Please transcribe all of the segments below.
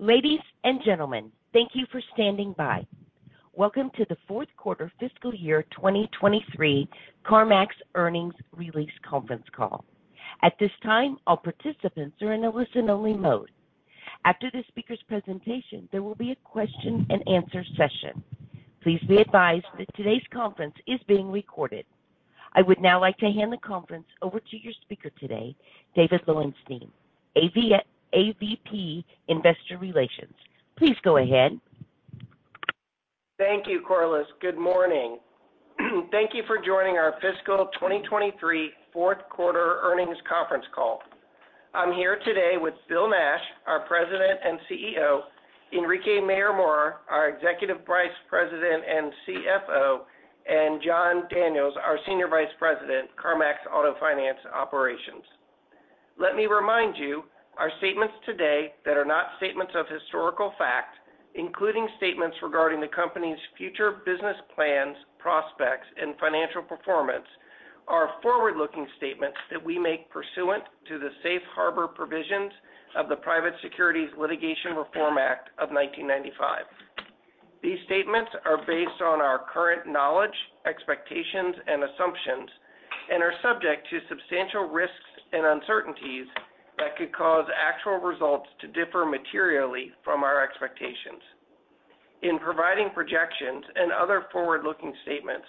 Ladies and gentlemen, thank you for standing by. Welcome to the fourth quarter fiscal year 2023 CarMax Earnings Release Conference Call. At this time, all participants are in a listen-only mode. After the speaker's presentation, there will be a question-and-answer session. Please be advised that today's conference is being recorded. I would now like to hand the conference over to your speaker today, David Lowenstein, AVP, Investor Relations. Please go ahead. Thank you, Corliss. Good morning. Thank you for joining our fiscal 2023 fourth quarter earnings conference call. I'm here today with Bill Nash, our President and CEO, Enrique Mayor-Mora, our Executive Vice President and CFO, and Jon Daniels, our Senior Vice President, CarMax Auto Finance Operations. Let me remind you, our statements today that are not statements of historical fact, including statements regarding the company's future business plans, prospects, and financial performance, are forward-looking statements that we make pursuant to the Safe Harbor provisions of the Private Securities Litigation Reform Act of 1995. These statements are based on our current knowledge, expectations, and assumptions and are subject to substantial risks and uncertainties that could cause actual results to differ materially from our expectations. In providing projections and other forward-looking statements,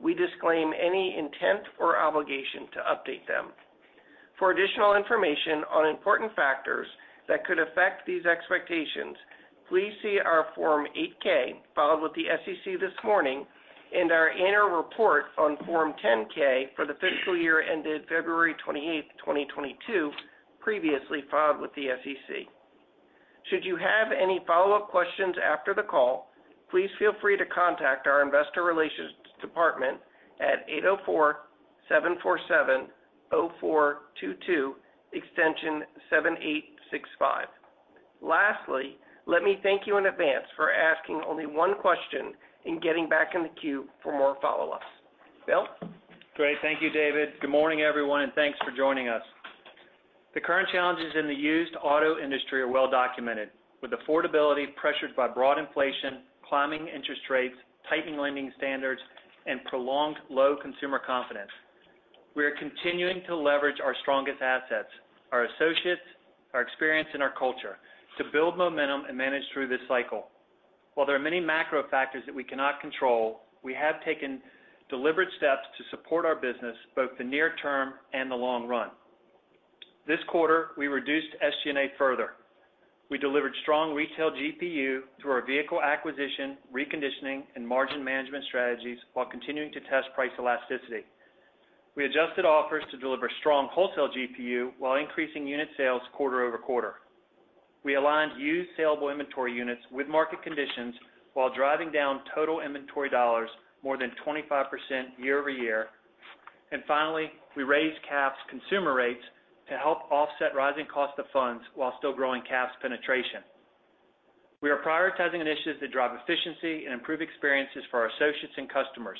we disclaim any intent or obligation to update them. For additional information on important factors that could affect these expectations, please see our Form 8-K filed with the SEC this morning and our annual report on Form 10-K for the fiscal year ended February 28, 2022, previously filed with the SEC. Should you have any follow-up questions after the call, please feel free to contact our investor relations department at 804-747-0422 extension 7865. Lastly, let me thank you in advance for asking only one question and getting back in the queue for more follow-ups. Bill? Great. Thank you, David. Good morning, everyone, and thanks for joining us. The current challenges in the used auto industry are well documented, with affordability pressured by broad inflation, climbing interest rates, tightening lending standards, and prolonged low consumer confidence. We are continuing to leverage our strongest assets, our associates, our experience, and our culture to build momentum and manage through this cycle. While there are many macro factors that we cannot control, we have taken deliberate steps to support our business, both the near term and the long run. This quarter, we reduced SG&A further. We delivered strong retail GPU through our vehicle acquisition, reconditioning, and margin management strategies, while continuing to test price elasticity. We adjusted offers to deliver strong wholesale GPU while increasing unit sales quarter-over-quarter. We aligned used saleable inventory units with market conditions while driving down total inventory dollars more than 25% year-over-year. Finally, we raised CAF's consumer rates to help offset rising cost of funds while still growing CAF's penetration. We are prioritizing initiatives that drive efficiency and improve experiences for our associates and customers.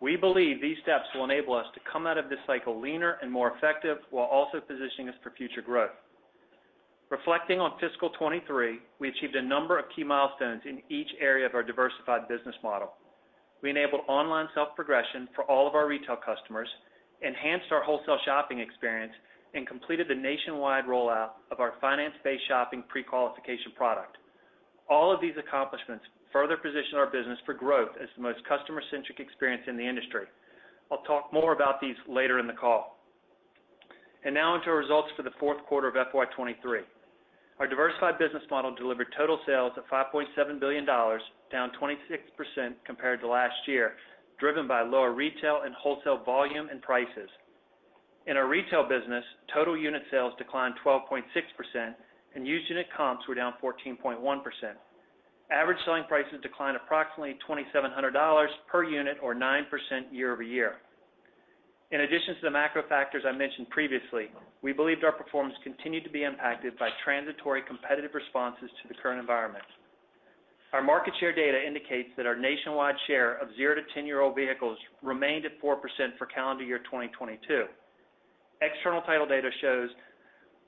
We believe these steps will enable us to come out of this cycle leaner and more effective while also positioning us for future growth. Reflecting on fiscal 2023, we achieved a number of key milestones in each area of our diversified business model. We enabled online self-progression for all of our retail customers, enhanced our wholesale shopping experience, and completed the nationwide rollout of our Finance-Based Shopping prequalification product. These accomplishments further position our business for growth as the most customer-centric experience in the industry. I'll talk more about these later in the call. Now onto our results for the fourth quarter of FY 2023. Our diversified business model delivered total sales of $5.7 billion, down 26% compared to last year, driven by lower retail and wholesale volume and prices. In our retail business, total unit sales declined 12.6% and used unit comps were down 14.1%. Average selling prices declined approximately $2,700 per unit or 9% year-over-year. In addition to the macro factors I mentioned previously, we believed our performance continued to be impacted by transitory competitive responses to the current environment. Our market share data indicates that our nationwide share of zero to 10-year-old vehicles remained at 4% for calendar year 2022. External title data shows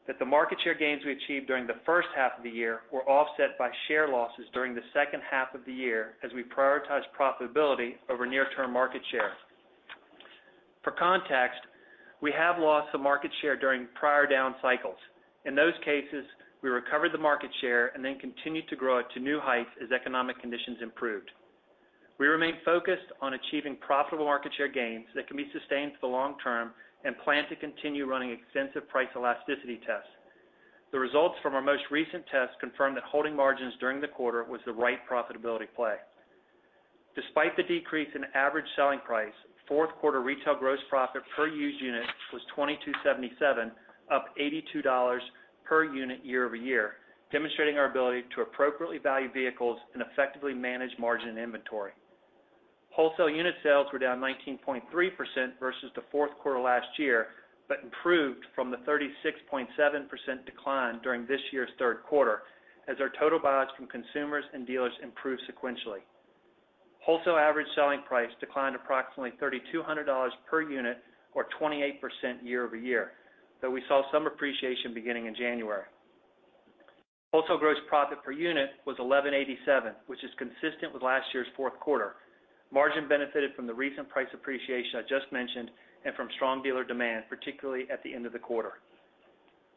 that the market share gains we achieved during the first half of the year were offset by share losses during the second half of the year as we prioritized profitability over near-term market share. For context, we have lost some market share during prior down cycles. In those cases, we recovered the market share and then continued to grow it to new heights as economic conditions improved. We remain focused on achieving profitable market share gains that can be sustained for the long term and plan to continue running extensive price elasticity tests. The results from our most recent test confirmed that holding margins during the quarter was the right profitability play. Despite the decrease in average selling price, fourth quarter retail gross profit per used unit was $2,277, up $82 per unit year-over-year, demonstrating our ability to appropriately value vehicles and effectively manage margin and inventory. Wholesale unit sales were down 19.3% versus the fourth quarter last year, improved from the 36.7% decline during this year's third quarter as our total buys from consumers and dealers improved sequentially. Wholesale average selling price declined approximately $3,200 per unit or 28% year-over-year, We saw some appreciation beginning in January. Wholesale gross profit per unit was $1,187, which is consistent with last year's fourth quarter. Margin benefited from the recent price appreciation I just mentioned and from strong dealer demand, particularly at the end of the quarter.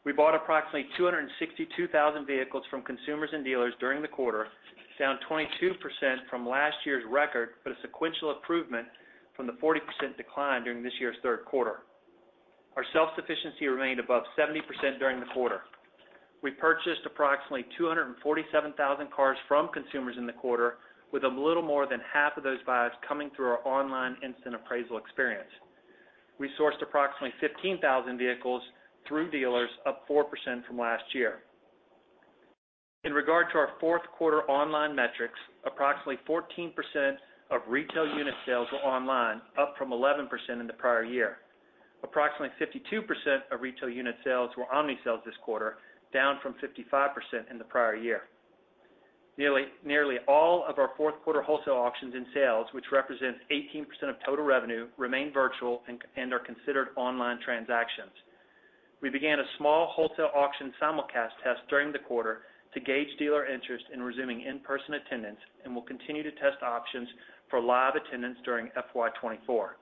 We bought approximately 262,000 vehicles from consumers and dealers during the quarter, down 22% from last year's record, a sequential improvement from the 40% decline during this year's third quarter. Our self-sufficiency remained above 70% during the quarter. We purchased approximately 247,000 cars from consumers in the quarter with a little more than half of those buys coming through our online instant appraisal experience. We sourced approximately 15,000 vehicles through dealers, up 4% from last year. In regard to our fourth quarter online metrics, approximately 14% of retail unit sales were online, up from 11% in the prior year. Approximately 52% of retail unit sales were omni-sales this quarter, down from 55% in the prior year. Nearly all of our fourth quarter wholesale auctions and sales, which represents 18% of total revenue, remain virtual and are considered online transactions. We began a small wholesale auction simulcast test during the quarter to gauge dealer interest in resuming in-person attendance. We'll continue to test options for live attendance during FY 2024.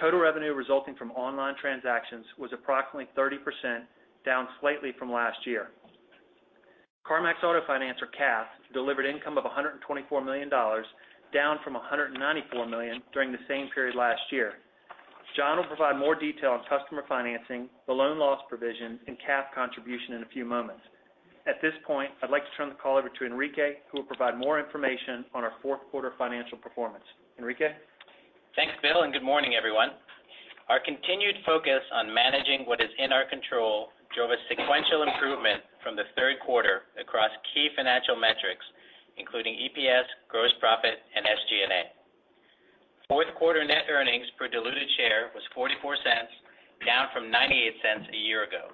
Total revenue resulting from online transactions was approximately 30%, down slightly from last year. CarMax Auto Finance or CAF delivered income of $124 million, down from $194 million during the same period last year. Jon will provide more detail on customer financing, the loan loss provision, and CAF contribution in a few moments. At this point, I'd like to turn the call over to Enrique, who will provide more information on our fourth quarter financial performance. Enrique. Thanks, Bill, good morning, everyone. Our continued focus on managing what is in our control drove a sequential improvement from the third quarter across key financial metrics, including EPS, gross profit and SG&A. Fourth quarter net earnings per diluted share was $0.44, down from $0.98 a year ago.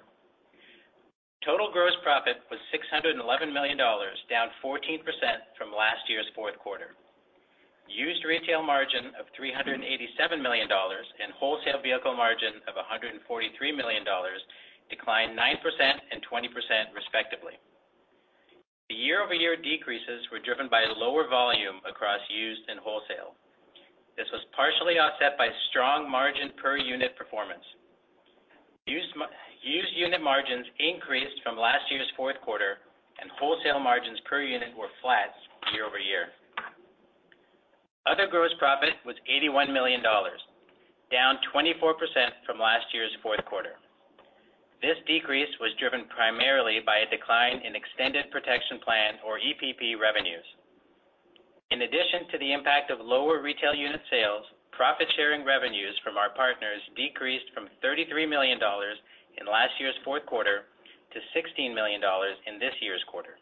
Total gross profit was $611 million, down 14% from last year's fourth quarter. Used retail margin of $387 million and wholesale vehicle margin of $143 million declined 9% and 20% respectively. The year-over-year decreases were driven by lower volume across used and wholesale. This was partially offset by strong margin per unit performance. Used unit margins increased from last year's fourth quarter, wholesale margins per unit were flat year-over-year. Other gross profit was $81 million, down 24% from last year's fourth quarter. This decrease was driven primarily by a decline in extended protection plan or EPP revenues. In addition to the impact of lower retail unit sales, profit-sharing revenues from our partners decreased from $33 million in last year's fourth quarter to $16 million in this year's quarter.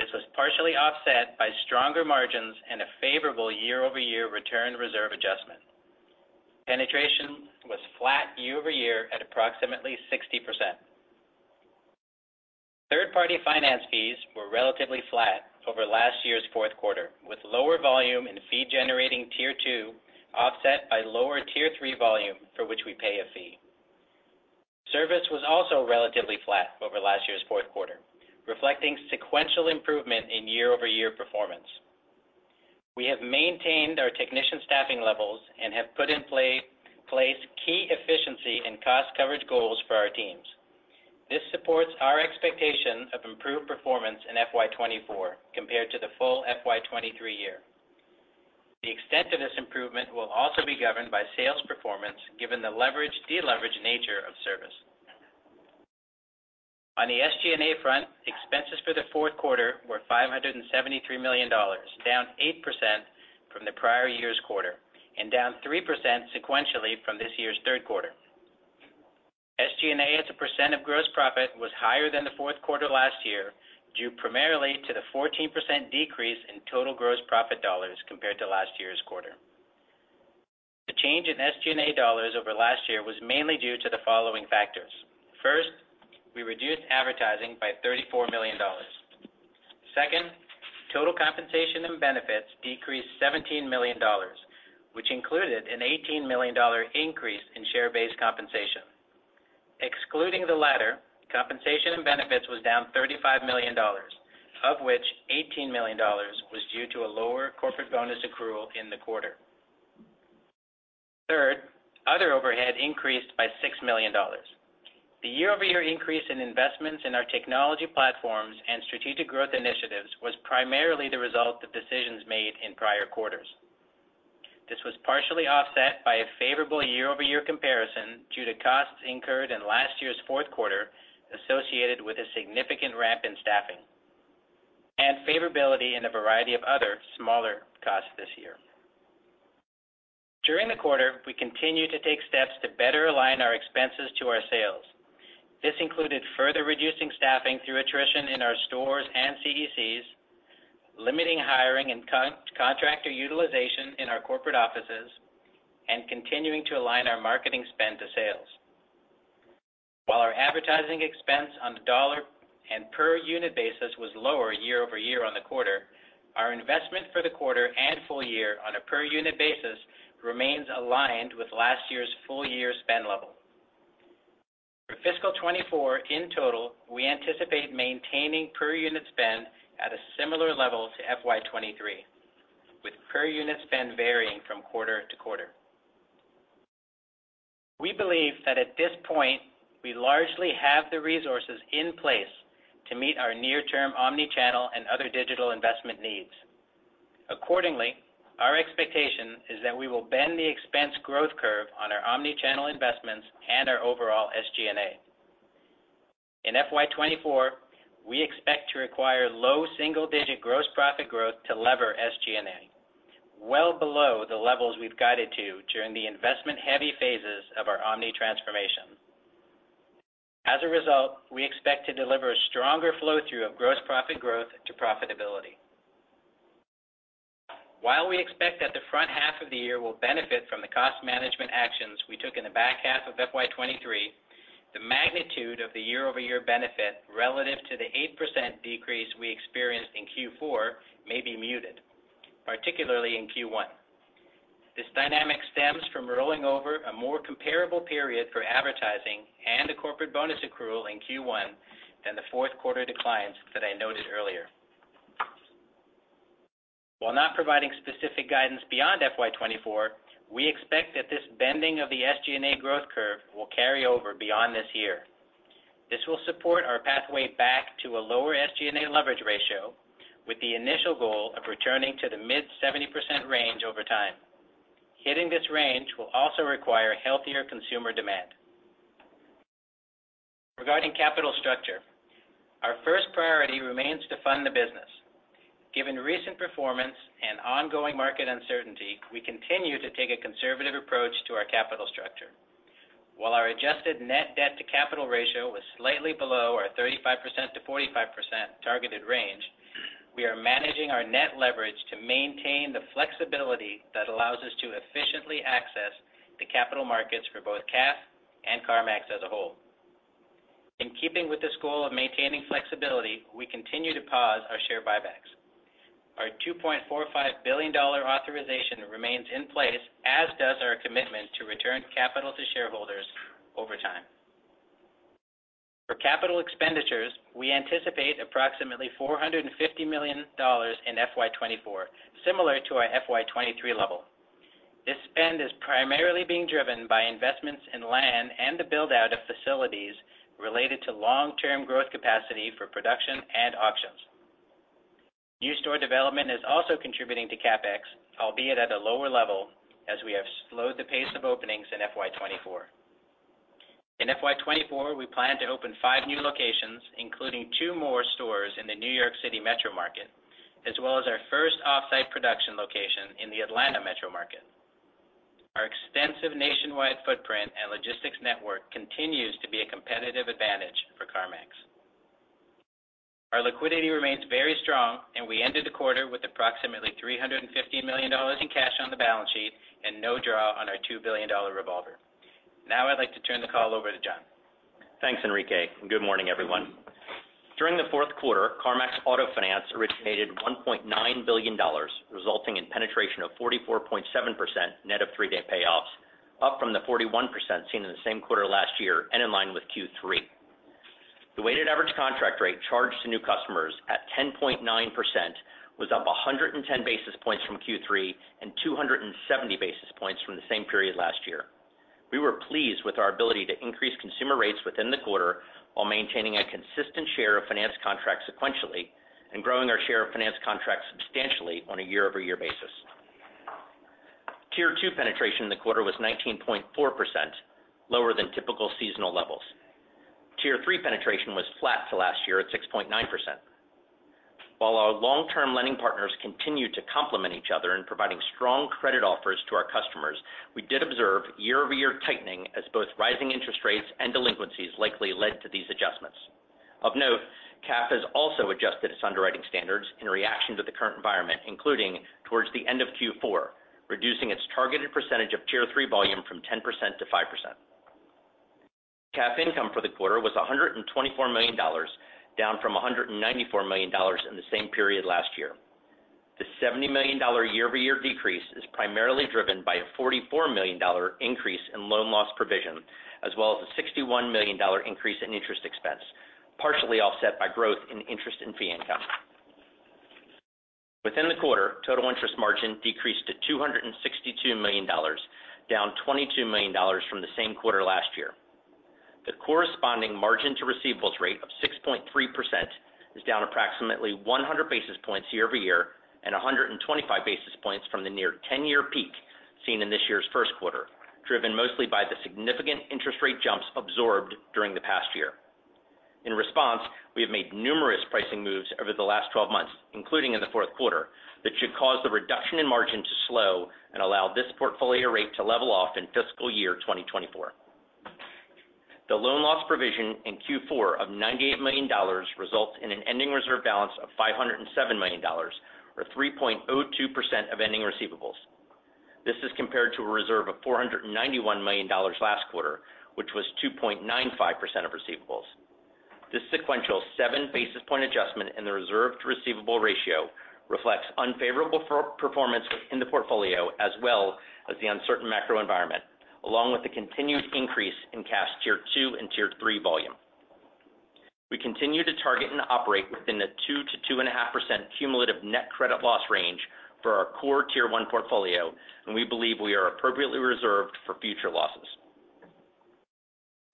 This was partially offset by stronger margins and a favorable year-over-year return reserve adjustment. Penetration was flat year-over-year at approximately 60%. Third-party finance fees were relatively flat over last year's fourth quarter, with lower volume in fee generating Tier 2 offset by lower Tier 3 volume for which we pay a fee. Service was also relatively flat over last year's fourth quarter, reflecting sequential improvement in year-over-year performance. We have maintained our technician staffing levels and have put in place key efficiency and cost coverage goals for our teams. This supports our expectation of improved performance in FY 2024 compared to the full FY 2023 year. The extent of this improvement will also be governed by sales performance given the de-leverage nature of service. On the SG&A front, expenses for the fourth quarter were $573 million, down 8% from the prior year's quarter and down 3% sequentially from this year's third quarter. SG&A, as a % of gross profit, was higher than the fourth quarter last year, due primarily to the 14% decrease in total gross profit dollars compared to last year's quarter. The change in SG&A dollars over last year was mainly due to the following factors. First, we reduced advertising by $34 million. Total compensation and benefits decreased $17 million, which included an $18 million increase in share-based compensation. Excluding the latter, compensation and benefits was down $35 million, of which $18 million was due to a lower corporate bonus accrual in the quarter. Other overhead increased by $6 million. The year-over-year increase in investments in our technology platforms and strategic growth initiatives was primarily the result of decisions made in prior quarters. This was partially offset by a favorable year-over-year comparison due to costs incurred in last year's fourth quarter associated with a significant ramp in staffing and favorability in a variety of other smaller costs this year. During the quarter, we continued to take steps to better align our expenses to our sales. This included further reducing staffing through attrition in our stores and CECs, limiting hiring and contractor utilization in our corporate offices, and continuing to align our marketing spend to sales. Advertising expense on the dollar and per unit basis was lower year-over-year on the quarter. Our investment for the quarter and full year on a per unit basis remains aligned with last year's full-year spend level. For fiscal 2024 in total, we anticipate maintaining per unit spend at a similar level to FY 2023, with per unit spend varying from quarter to quarter. We believe that at this point, we largely have the resources in place to meet our near-term omni-channel and other digital investment needs. Our expectation is that we will bend the expense growth curve on our omni-channel investments and our overall SG&A. In FY 2024, we expect to require low single-digit gross profit growth to lever SG&A, well below the levels we've guided to during the investment-heavy phases of our omni transformation. We expect to deliver a stronger flow-through of gross profit growth to profitability. While we expect that the front half of the year will benefit from the cost management actions we took in the back half of FY 2023, the magnitude of the year-over-year benefit relative to the 8% decrease we experienced in Q4 may be muted, particularly in Q1. This dynamic stems from rolling over a more comparable period for advertising and a corporate bonus accrual in Q1 than the fourth quarter declines that I noted earlier. While not providing specific guidance beyond FY 2024, we expect that this bending of the SG&A growth curve will carry over beyond this year. This will support our pathway back to a lower SG&A leverage ratio with the initial goal of returning to the mid 70% range over time. Hitting this range will also require healthier consumer demand. Regarding capital structure, our first priority remains to fund the business. Given recent performance and ongoing market uncertainty, we continue to take a conservative approach to our capital structure. While our adjusted net debt to capital ratio was slightly below our 35%-45% targeted range, we are managing our net leverage to maintain the flexibility that allows us to efficiently access the capital markets for both CAF and CarMax as a whole. In keeping with this goal of maintaining flexibility, we continue to pause our share buybacks. Our $2.45 billion authorization remains in place, as does our commitment to return capital to shareholders over time. For capital expenditures, we anticipate approximately $450 million in FY 2024, similar to our FY 2023 level. This spend is primarily being driven by investments in land and the build-out of facilities related to long-term growth capacity for production and auctions. New store development is also contributing to CapEx, albeit at a lower level as we have slowed the pace of openings in FY 2024. In FY 2024, we plan to open five new locations, including two more stores in the New York City metro market, as well as our first off-site production location in the Atlanta metro market. Our extensive nationwide footprint and logistics network continues to be a competitive advantage for CarMax. Our liquidity remains very strong, and we ended the quarter with approximately $350 million in cash on the balance sheet and no draw on our $2 billion revolver. Now I'd like to turn the call over to Jon. Thanks, Enrique. Good morning, everyone. During the fourth quarter, CarMax Auto Finance originated $1.9 billion, resulting in penetration of 44.7% net of three-day payoffs, up from the 41% seen in the same quarter last year and in line with Q3. The weighted average contract rate charged to new customers at 10.9% was up 110 basis points from Q3 and 270 basis points from the same period last year. We were pleased with our ability to increase consumer rates within the quarter while maintaining a consistent share of finance contracts sequentially and growing our share of finance contracts substantially on a year-over-year basis. Tier 2 penetration in the quarter was 19.4%, lower than typical seasonal levels. Tier 3 penetration was flat to last year at 6.9%. While our long-term lending partners continued to complement each other in providing strong credit offers to our customers, we did observe year-over-year tightening as both rising interest rates and delinquencies likely led to these adjustments. Of note, CAF has also adjusted its underwriting standards in reaction to the current environment, including towards the end of Q4, reducing its targeted percentage of Tier 3 volume from 10% to 5%. CAF income for the quarter was $124 million, down from $194 million in the same period last year. The $70 million year-over-year decrease is primarily driven by a $44 million increase in loan loss provision, as well as a $61 million increase in interest expense, partially offset by growth in interest and fee income. Within the quarter, total interest margin decreased to $262 million, down $22 million from the same quarter last year. The corresponding margin to receivables rate of 6.3% is down approximately 100 basis points year-over-year and 125 basis points from the near 10-year peak seen in this year's first quarter, driven mostly by the significant interest rate jumps absorbed during the past year. In response, we have made numerous pricing moves over the last 12 months, including in the fourth quarter, that should cause the reduction in margin to slow and allow this portfolio rate to level off in fiscal year 2024. The loan loss provision in Q4 of $98 million results in an ending reserve balance of $507 million, or 3.02% of ending receivables. This is compared to a reserve of $491 million last quarter, which was 2.95% of receivables. This sequential 7 basis point adjustment in the reserve to receivable ratio reflects unfavorable performance within the portfolio, as well as the uncertain macro environment, along with the continued increase in CAF Tier 2 and Tier 3 volume. We continue to target and operate within the 2%-2.5% cumulative net credit loss range for our core Tier 1 portfolio, and we believe we are appropriately reserved for future losses.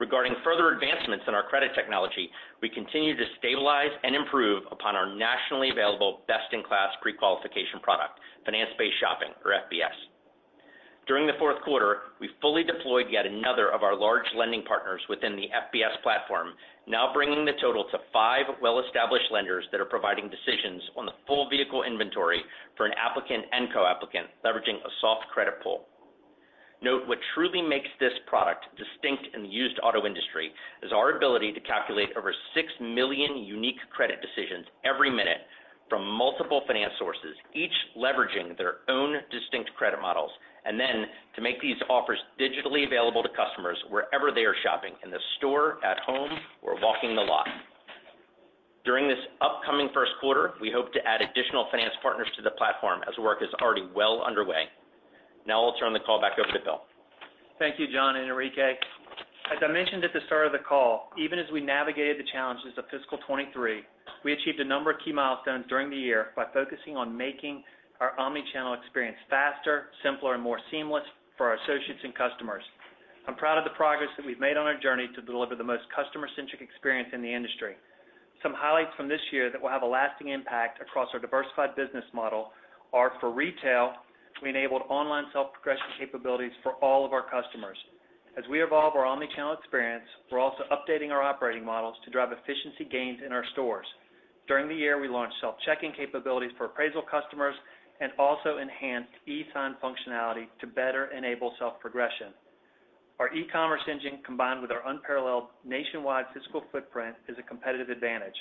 Regarding further advancements in our credit technology, we continue to stabilize and improve upon our nationally available best-in-class pre-qualification product, Finance-Based Shopping, or FBS. During the fourth quarter, we fully deployed yet another of our large lending partners within the FBS platform, now bringing the total to five well-established lenders that are providing decisions on the full vehicle inventory for an applicant and co-applicant leveraging a soft credit pull. Note what truly makes this product distinct in the used auto industry is our ability to calculate over 6 million unique credit decisions every minute from multiple finance sources, each leveraging their own distinct credit models. To make these offers digitally available to customers wherever they are shopping, in the store, at home, or walking the lot. During this upcoming first quarter, we hope to add additional finance partners to the platform as work is already well underway. Now I'll turn the call back over to Bill. Thank you, Jon and Enrique. As I mentioned at the start of the call, even as we navigated the challenges of fiscal 2023, we achieved a number of key milestones during the year by focusing on making our omni-channel experience faster, simpler, and more seamless for our associates and customers. I'm proud of the progress that we've made on our journey to deliver the most customer-centric experience in the industry. Some highlights from this year that will have a lasting impact across our diversified business model are for retail, we enabled online self-progression capabilities for all of our customers. As we evolve our omni-channel experience, we're also updating our operating models to drive efficiency gains in our stores. During the year, we launched self-checking capabilities for appraisal customers and also enhanced e-sign functionality to better enable self-progression. Our e-commerce engine, combined with our unparalleled nationwide physical footprint, is a competitive advantage.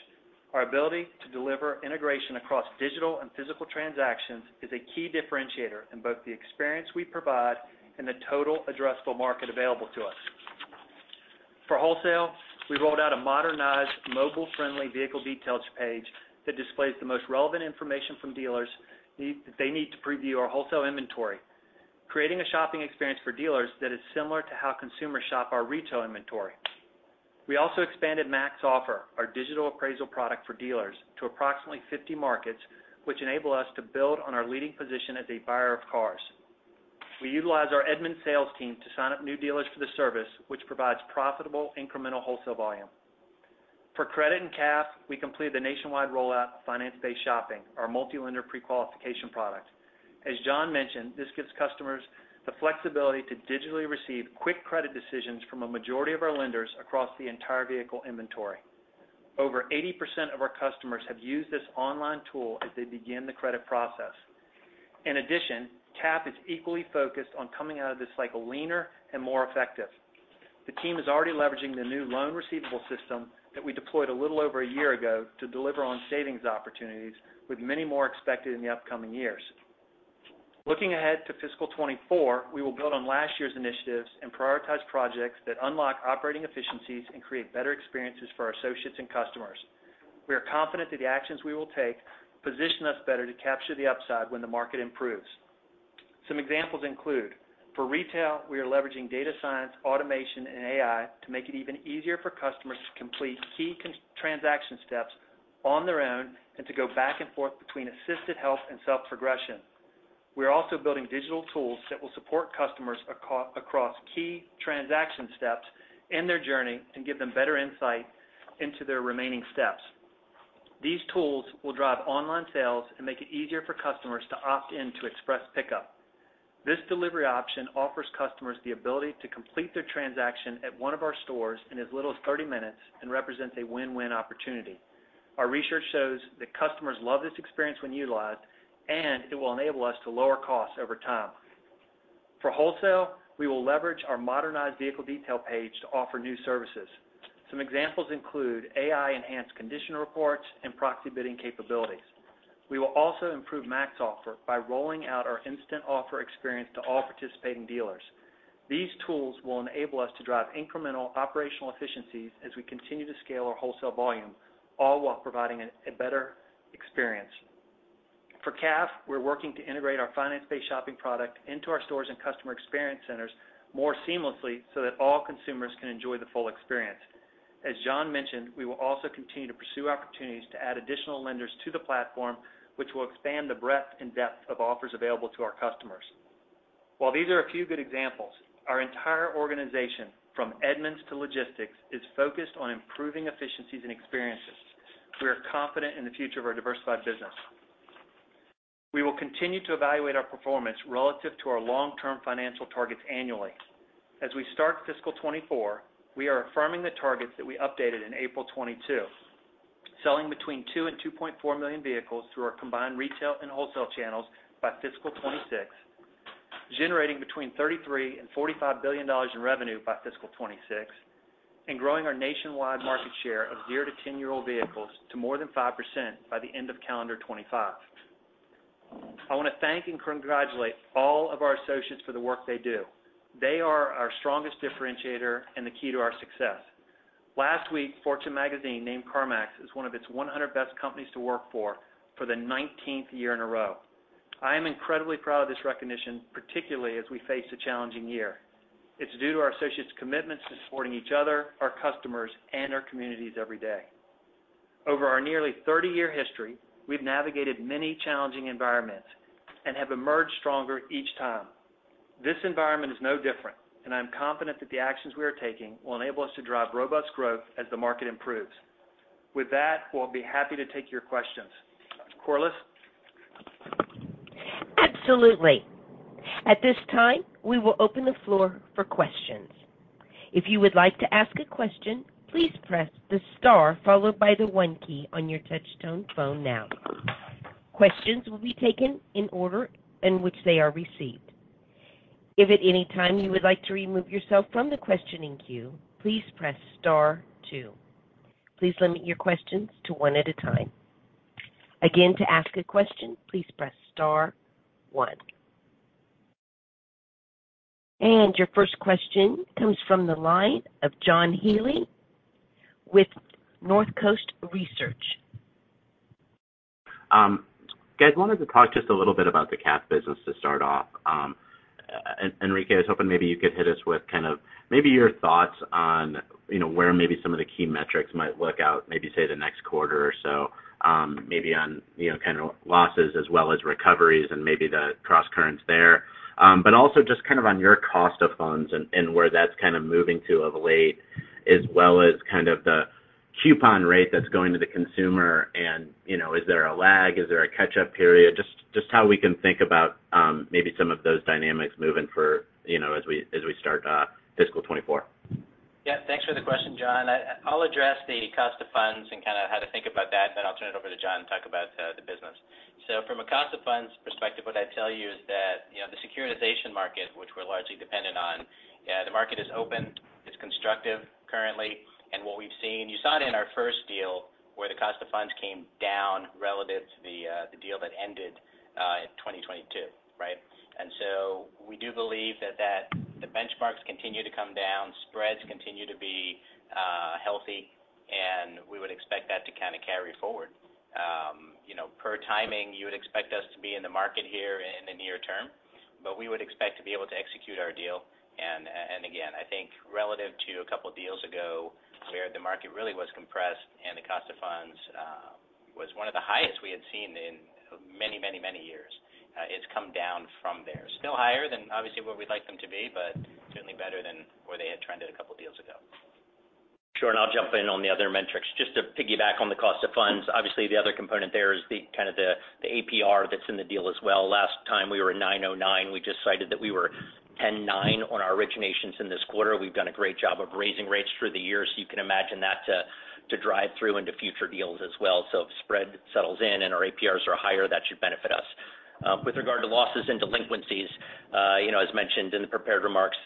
Our ability to deliver integration across digital and physical transactions is a key differentiator in both the experience we provide and the total addressable market available to us. For wholesale, we rolled out a modernized, mobile-friendly vehicle details page that displays the most relevant information from dealers they need to preview our wholesale inventory, creating a shopping experience for dealers that is similar to how consumers shop our retail inventory. We also expanded MaxOffer, our digital appraisal product for dealers, to approximately 50 markets, which enable us to build on our leading position as a buyer of cars. We utilize our Edmunds sales team to sign up new dealers for the service, which provides profitable incremental wholesale volume. For credit and CAF, we completed the nationwide rollout of Finance-Based Shopping, our multi-lender pre-qualification product. As Jon mentioned, this gives customers the flexibility to digitally receive quick credit decisions from a majority of our lenders across the entire vehicle inventory. Over 80% of our customers have used this online tool as they begin the credit process. CAF is equally focused on coming out of this cycle leaner and more effective. The team is already leveraging the new loan receivable system that we deployed a little over a year ago to deliver on savings opportunities with many more expected in the upcoming years. Looking ahead to fiscal 2024, we will build on last year's initiatives and prioritize projects that unlock operating efficiencies and create better experiences for our associates and customers. We are confident that the actions we will take position us better to capture the upside when the market improves. Some examples include for retail, we are leveraging data science, automation, and AI to make it even easier for customers to complete key transaction steps on their own and to go back and forth between assisted help and self-progression. We are also building digital tools that will support customers across key transaction steps in their journey and give them better insight into their remaining steps. These tools will drive online sales and make it easier for customers to opt in to express pickup. This delivery option offers customers the ability to complete their transaction at one of our stores in as little as 30 minutes and represents a win-win opportunity. Our research shows that customers love this experience when utilized, and it will enable us to lower costs over time. For wholesale, we will leverage our modernized vehicle detail page to offer new services. Some examples include AI-enhanced condition reports and proxy bidding capabilities. We will also improve MaxOffer by rolling out our instant offer experience to all participating dealers. These tools will enable us to drive incremental operational efficiencies as we continue to scale our wholesale volume, all while providing a better experience. For CAF, we're working to integrate our Finance-Based Shopping product into our stores and Customer Experience Centers more seamlessly so that all consumers can enjoy the full experience. As Jon mentioned, we will also continue to pursue opportunities to add additional lenders to the platform, which will expand the breadth and depth of offers available to our customers. While these are a few good examples, our entire organization, from Edmunds to Logistics, is focused on improving efficiencies and experiences. We are confident in the future of our diversified business. We will continue to evaluate our performance relative to our long-term financial targets annually. As we start fiscal 2024, we are affirming the targets that we updated in April 2022. Selling between 2 and 2.4 million vehicles through our combined retail and wholesale channels by fiscal 2026. Generating between $33 billion and $45 billion in revenue by fiscal 2026. Growing our nationwide market share of zero to 10-year-old vehicles to more than 5% by the end of calendar 2025. I want to thank and congratulate all of our associates for the work they do. They are our strongest differentiator and the key to our success. Last week, Fortune Magazine named CarMax as one of its 100 best companies to work for the nineteenth year in a row. I am incredibly proud of this recognition, particularly as we face a challenging year. It's due to our associates' commitments to supporting each other, our customers, and our communities every day. Over our nearly 30-year history, we've navigated many challenging environments and have emerged stronger each time. This environment is no different, and I'm confident that the actions we are taking will enable us to drive robust growth as the market improves. With that, we'll be happy to take your questions. Corliss? Absolutely. At this time, we will open the floor for questions. If you would like to ask a question, please press the star followed by the one key on your touch-tone phone now. Questions will be taken in order in which they are received. If at any time you would like to remove yourself from the questioning queue, please press star two. Please limit your questions to one at a time. Again, to ask a question, please press star one. Your first question comes from the line of John Healy with Northcoast Research. Guys, wanted to talk just a little bit about the CAF business to start off. Enrique, I was hoping maybe you could hit us with kind of maybe your thoughts on, you know, where maybe some of the key metrics might look out, maybe say, the next quarter or so, maybe on, you know, kind of losses as well as recoveries and maybe the cross-currents there. Also just kind of on your cost of funds and where that's kind of moving to of late, as well as kind of the coupon rate that's going to the consumer and, you know, is there a lag? Is there a catch-up period? Just how we can think about maybe some of those dynamics moving for, you know, as we, as we start fiscal 2024. Thanks for the question, John. I'll address the cost of funds and kind of how to think about that, then I'll turn it over to Jon to talk about the business. From a cost of funds perspective, what I'd tell you is that, you know, the securitization market, which we're largely dependent on, the market is open, it's constructive currently. What we've seen, you saw it in our first deal, where the cost of funds came down relative to the deal that ended in 2022, right? We do believe that the benchmarks continue to come down, spreads continue to be healthy, and we would expect that to kind of carry forward. You know, per timing, you would expect us to be in the market here in the near term, but we would expect to be able to execute our deal. Again, I think relative to a couple of deals ago, where the market really was compressed and the cost of funds was one of the highest we had seen in many, many, many years, it's come down from there. Still higher than obviously where we'd like them to be, but certainly better than where they had trended a couple of deals ago. Sure. I'll jump in on the other metrics. Just to piggyback on the cost of funds, obviously the other component there is the APR that's in the deal as well. Last time we were at 9.09, we just cited that we were 10.9 on our originations in this quarter. We've done a great job of raising rates through the year, so you can imagine that to drive through into future deals as well. If spread settles in and our APRs are higher, that should benefit us. With regard to losses and delinquencies, you know, as mentioned in the prepared remarks,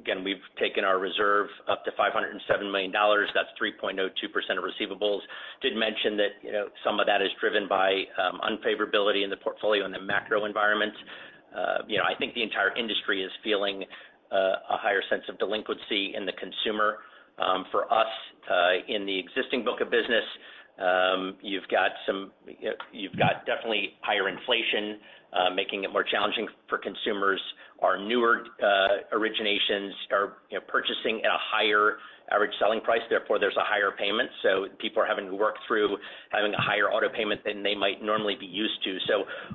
again, we've taken our reserve up to $507 million. That's 3.02% of receivables. Mentioned that, you know, some of that is driven by unfavorability in the portfolio and the macro environment. You know, I think the entire industry is feeling a higher sense of delinquency in the consumer. For us, in the existing book of business, you've got definitely higher inflation, making it more challenging for consumers. Our newer originations are, you know, purchasing at a higher average selling price. Therefore, there's a higher payment. People are having to work through having a higher auto payment than they might normally be used to.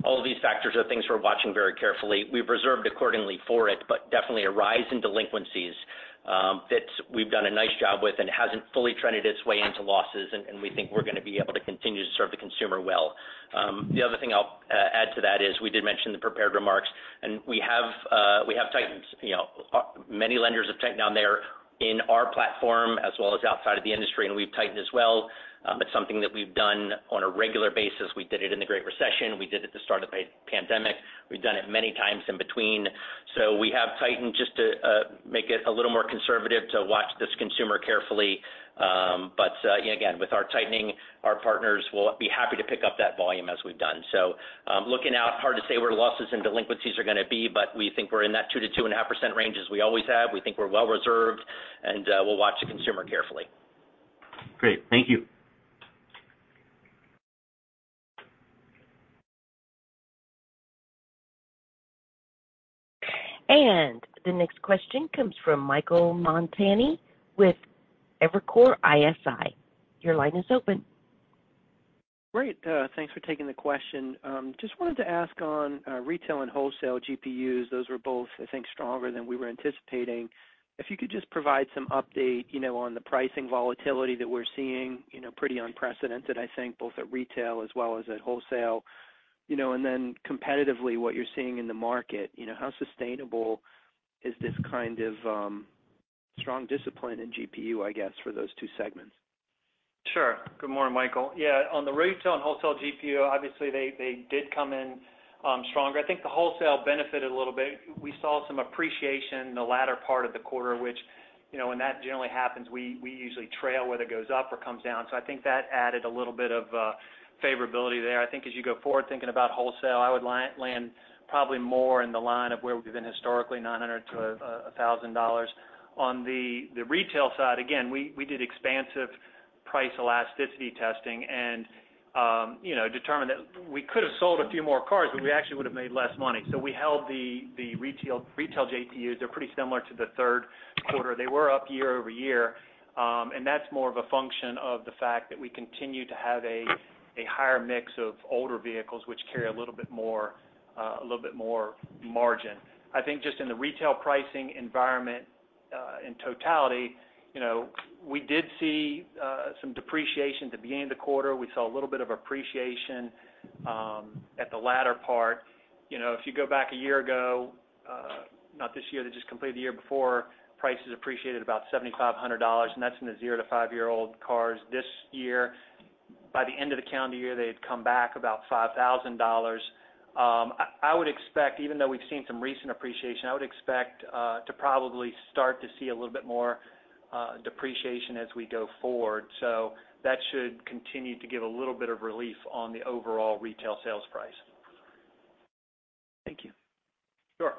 All of these factors are things we're watching very carefully. We've reserved accordingly for it. Definitely a rise in delinquencies, that we've done a nice job with and hasn't fully trended its way into losses, and we think we're going to be able to continue to serve the consumer well. The other thing I'll add to that is we did mention the prepared remarks. We have tightened. You know, many lenders have tightened down there in our platform as well as outside of the industry, and we've tightened as well. It's something that we've done on a regular basis. We did it in the Great Recession. We did at the start of a pandemic. We've done it many times in between. We have tightened just to make it a little more conservative to watch this consumer carefully. Again, with our tightening, our partners will be happy to pick up that volume as we've done. Looking out, hard to say where losses and delinquencies are going to be, but we think we're in that 2%-2.5% range as we always have. We think we're well reserved, and we'll watch the consumer carefully. Great. Thank you. The next question comes from Michael Montani with Evercore ISI. Your line is open. Great. Thanks for taking the question. Just wanted to ask on retail and wholesale GPUs, those were both, I think, stronger than we were anticipating. If you could just provide some update, you know, on the pricing volatility that we're seeing, you know, pretty unprecedented, I think, both at retail as well as at wholesale. You know, and then competitively, what you're seeing in the market. You know, how sustainable is this kind of strong discipline in GPU, I guess, for those two segments? Sure. Good morning, Michael. On the retail and wholesale GPU, obviously they did come in stronger. I think the wholesale benefited a little bit. We saw some appreciation in the latter part of the quarter, which, you know, when that generally happens, we usually trail whether it goes up or comes down. I think that added a little bit of favorability there. I think as you go forward, thinking about wholesale, I would land probably more in the line of where we've been historically, $900-$1,000. On the retail side, again, we did expansive price elasticity testing and, you know, determined that we could have sold a few more cars, but we actually would have made less money. We held the retail JTU. They're pretty similar to the third quarter. They were up year-over-year. That's more of a function of the fact that we continue to have a higher mix of older vehicles which carry a little bit more, a little bit more margin. I think just in the retail pricing environment, in totality, you know, we did see some depreciation at the beginning of the quarter. We saw a little bit of appreciation at the latter part. You know, if you go back a year ago, not this year that just completed, the year before, prices appreciated about $7,500, and that's in the zero to five-year-old cars. This year, by the end of the calendar year, they had come back about $5,000. I would expect, even though we've seen some recent appreciation, I would expect, to probably start to see a little bit more, depreciation as we go forward. That should continue to give a little bit of relief on the overall retail sales price. Thank you. Sure.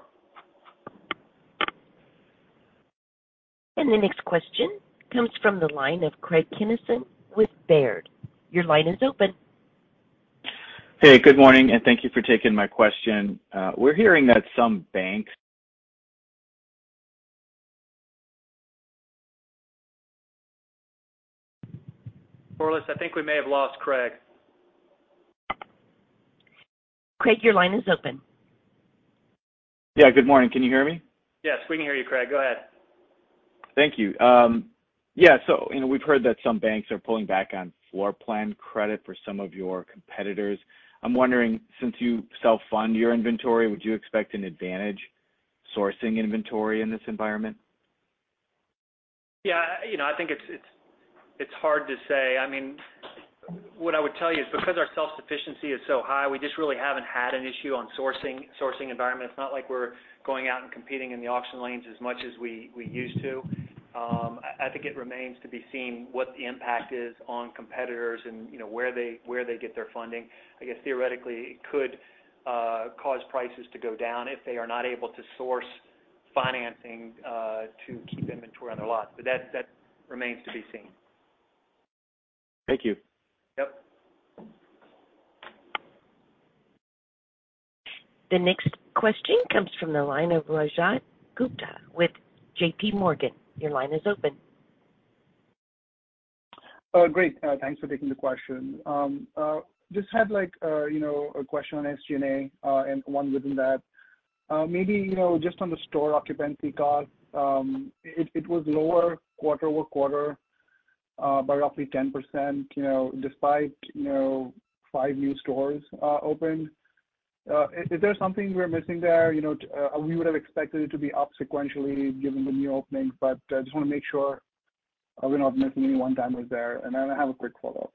The next question comes from the line of Craig Kennison with Baird. Your line is open. Hey, good morning, thank you for taking my question. We're hearing that some banks- Corliss, I think we may have lost Craig. Craig, your line is open. Yeah, good morning. Can you hear me? Yes, we can hear you, Craig. Go ahead. Thank you. Yeah, you know, we've heard that some banks are pulling back on floor plan credit for some of your competitors. I'm wondering, since you self-fund your inventory, would you expect an advantage sourcing inventory in this environment? Yeah. You know, I think it's hard to say. I mean, what I would tell you is because our self-sufficiency is so high, we just really haven't had an issue on sourcing environment. It's not like we're going out and competing in the auction lanes as much as we used to. I think it remains to be seen what the impact is on competitors and, you know, where they get their funding. I guess, theoretically, it could cause prices to go down if they are not able to source financing to keep inventory on their lot. That remains to be seen. Thank you. Yep. The next question comes from the line of Rajat Gupta with JPMorgan. Your line is open. Great. Thanks for taking the question. Just had like, you know, a question on SG&A, and one within that. Maybe, you know, just on the store occupancy cost, it was lower quarter-over-quarter by roughly 10%, you know, despite, you know, five new stores opened. Is there something we're missing there? You know, we would have expected it to be up sequentially given the new openings, but just wanna make sure we're not missing any one-timers there. Then I have a quick follow-up.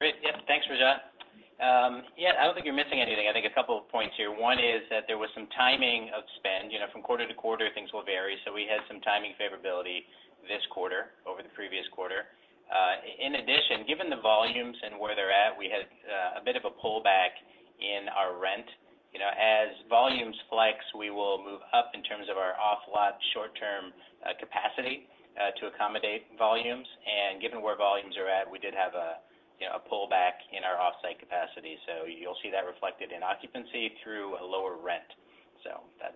Great. Yep. Thanks, Rajat. Yeah, I don't think you're missing anything. I think a couple of points here. One is that there was some timing of spend. You know, from quarter to quarter things will vary, so we had some timing favorability this quarter over the previous quarter. In addition, given the volumes and where they're at, we had a bit of a pullback in our rent. You know, as volumes flex, we will move up in terms of our off-lot short-term capacity to accommodate volumes. Given where volumes are at, we did have a, you know, a pullback in our off-site capacity. You'll see that reflected in occupancy through a lower rent.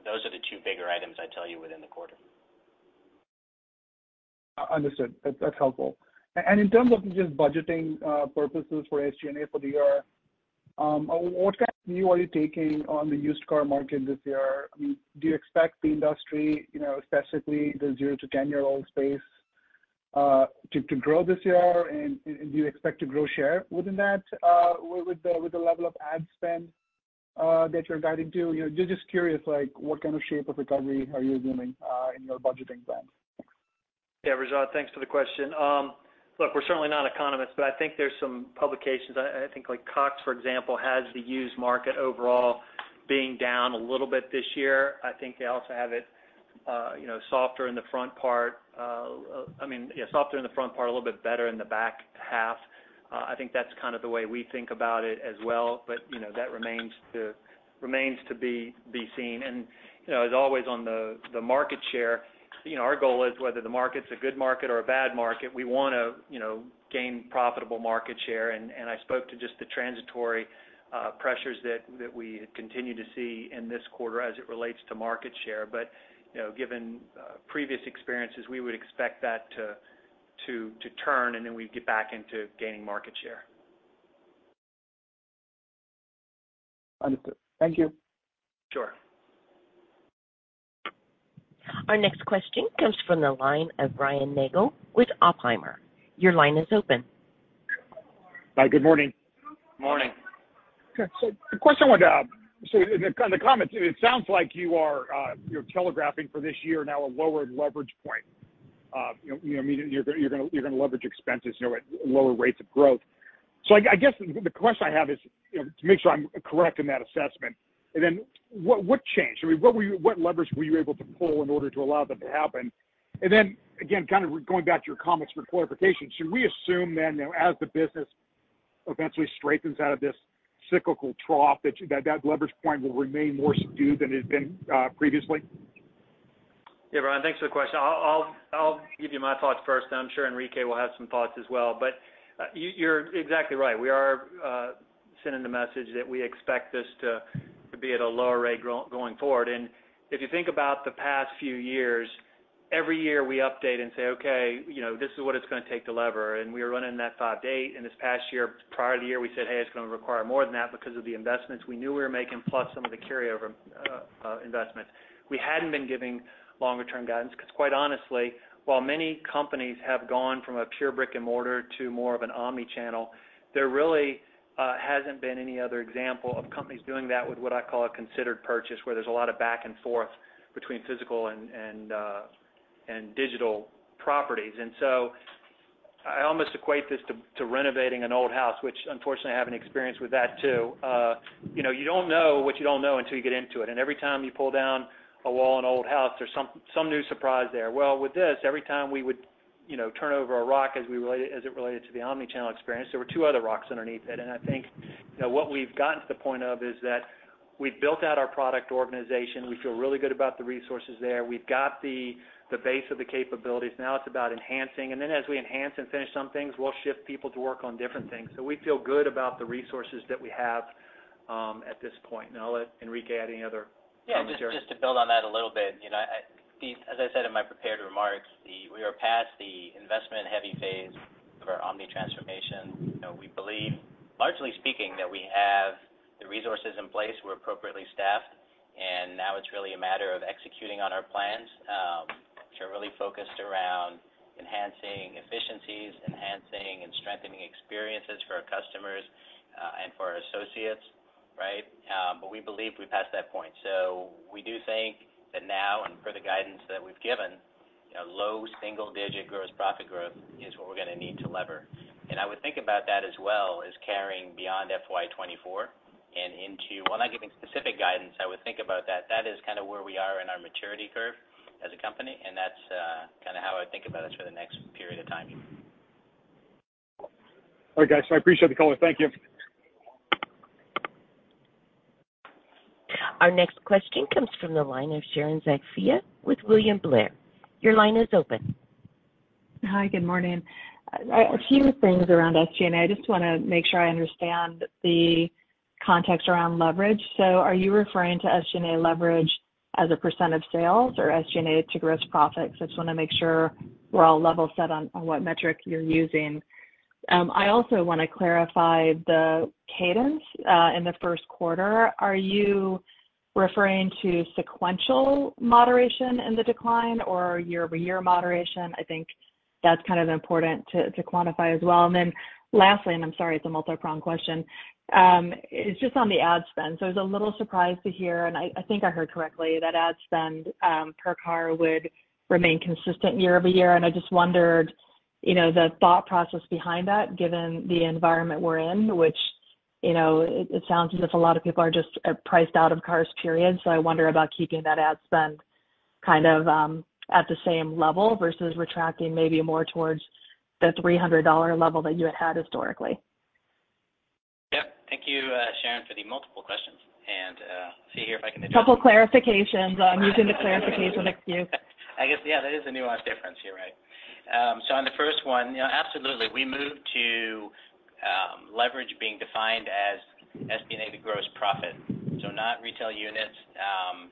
Those are the two bigger items I'd tell you within the quarter. Understood. That's, that's helpful. And in terms of just budgeting purposes for SG&A for the year, what kind of view are you taking on the used car market this year? I mean, do you expect the industry, you know, specifically the zero to 10-year-old space, to grow this year? Do you expect to grow share within that, with the level of ad spend, that you're guiding to? You know, just curious, like what kind of shape of recovery are you assuming in your budgeting plans? Yeah, Rajat, thanks for the question. Look, we're certainly not economists, but I think there's some publications. I think like Cox, for example, has the used market overall being down a little bit this year. I think they also have it, you know, softer in the front part. I mean, yeah, softer in the front part, a little bit better in the back half. I think that's kind of the way we think about it as well. You know, that remains to be seen. You know, as always on the market share, you know, our goal is whether the market's a good market or a bad market, we wanna, you know, gain profitable market share. I spoke to just the transitory, pressures that we had continued to see in this quarter as it relates to market share. You know, given, previous experiences, we would expect that to turn and then we'd get back into gaining market share. Understood. Thank you. Sure. Our next question comes from the line of Brian Nagel with Oppenheimer. Your line is open. Hi, good morning. Morning. Okay. The question I want to ask. In the comments, it sounds like you're telegraphing for this year now a lowered leverage point. You know, I mean, you're gonna leverage expenses, you know, at lower rates of growth. I guess the question I have is, you know, to make sure I'm correct in that assessment, and then what changed? I mean, what levers were you able to pull in order to allow that to happen? Again, kind of going back to your comments for clarification, should we assume then that as the business eventually straightens out of this cyclical trough, that leverage point will remain more subdued than it had been previously? Yeah, Brian, thanks for the question. I'll give you my thoughts first. I'm sure Enrique will have some thoughts as well. You're exactly right. We are sending the message that we expect this to be at a lower rate going forward. If you think about the past few years, every year we update and say, "Okay, you know, this is what it's gonna take to lever." We were running net loss rate, and this past year, prior to the year, we said, "Hey, it's gonna require more than that because of the investments we knew we were making, plus some of the carryover investments." We hadn't been giving longer-term guidance because quite honestly, while many companies have gone from a pure brick-and-mortar to more of an omni-channel, there really hasn't been any other example of companies doing that with what I call a considered purchase, where there's a lot of back and forth between physical and digital properties. I almost equate this to renovating an old house, which unfortunately, I have an experience with that too. You know, you don't know what you don't know until you get into it. Every time you pull down a wall in an old house, there's some new surprise there. Well, with this, every time we would, you know, turn over a rock, as it related to the omni-channel experience, there were two other rocks underneath it. I think, you know, what we've gotten to the point of is that we've built out our product organization. We feel really good about the resources there. We've got the base of the capabilities. Now it's about enhancing. As we enhance and finish some things, we'll shift people to work on different things. We feel good about the resources that we have at this point. I'll let Enrique add any other comments there. Yeah, just to build on that a little bit. You know, as I said in my prepared remarks, we are past the investment-heavy phase of our omni-transformation. You know, we believe, largely speaking, that we have the resources in place, we're appropriately staffed, now it's really a matter of executing on our plans, which are really focused around enhancing efficiencies, enhancing and strengthening experiences for our customers, and for our associates, right? We believe we're past that point. We do think that now, and per the guidance that we've given, you know, low single digit gross profit growth is what we're gonna need to lever. I would think about that as well as carrying beyond FY 2024 and into... We're not giving specific guidance. I would think about that. That is kinda where we are in our maturity curve as a company, and that's kinda how I would think about us for the next period of time. All right, guys. I appreciate the call. Thank you. Our next question comes from the line of Sharon Zackfia with William Blair. Your line is open. Hi, good morning. A few things around SG&A. I just wanna make sure I understand the context around leverage. Are you referring to SG&A leverage as a % of sales or SG&A to gross profits? I just wanna make sure we're all level set on what metric you're using. I also wanna clarify the cadence in the first quarter. Are you referring to sequential moderation in the decline or year-over-year moderation? I think that's kind of important to quantify as well. Lastly, and I'm sorry, it's a multi-pronged question, it's just on the ad spend. I was a little surprised to hear, and I think I heard correctly, that ad spend per car would remain consistent year-over-year. I just wondered, you know, the thought process behind that, given the environment we're in, which, you know, it sounds as if a lot of people are just priced out of cars, period. I wonder about keeping that ad spend kind of at the same level versus retracting maybe more towards the $300 level that you had had historically. Yeah. Thank you, Sharon, for the multiple questions. See here. Couple clarifications. I'm using the clarification excuse. I guess, yeah, there is a nuanced difference here, right? On the first one, you know, absolutely. We moved to leverage being defined as SG&A to gross profit. Not retail units,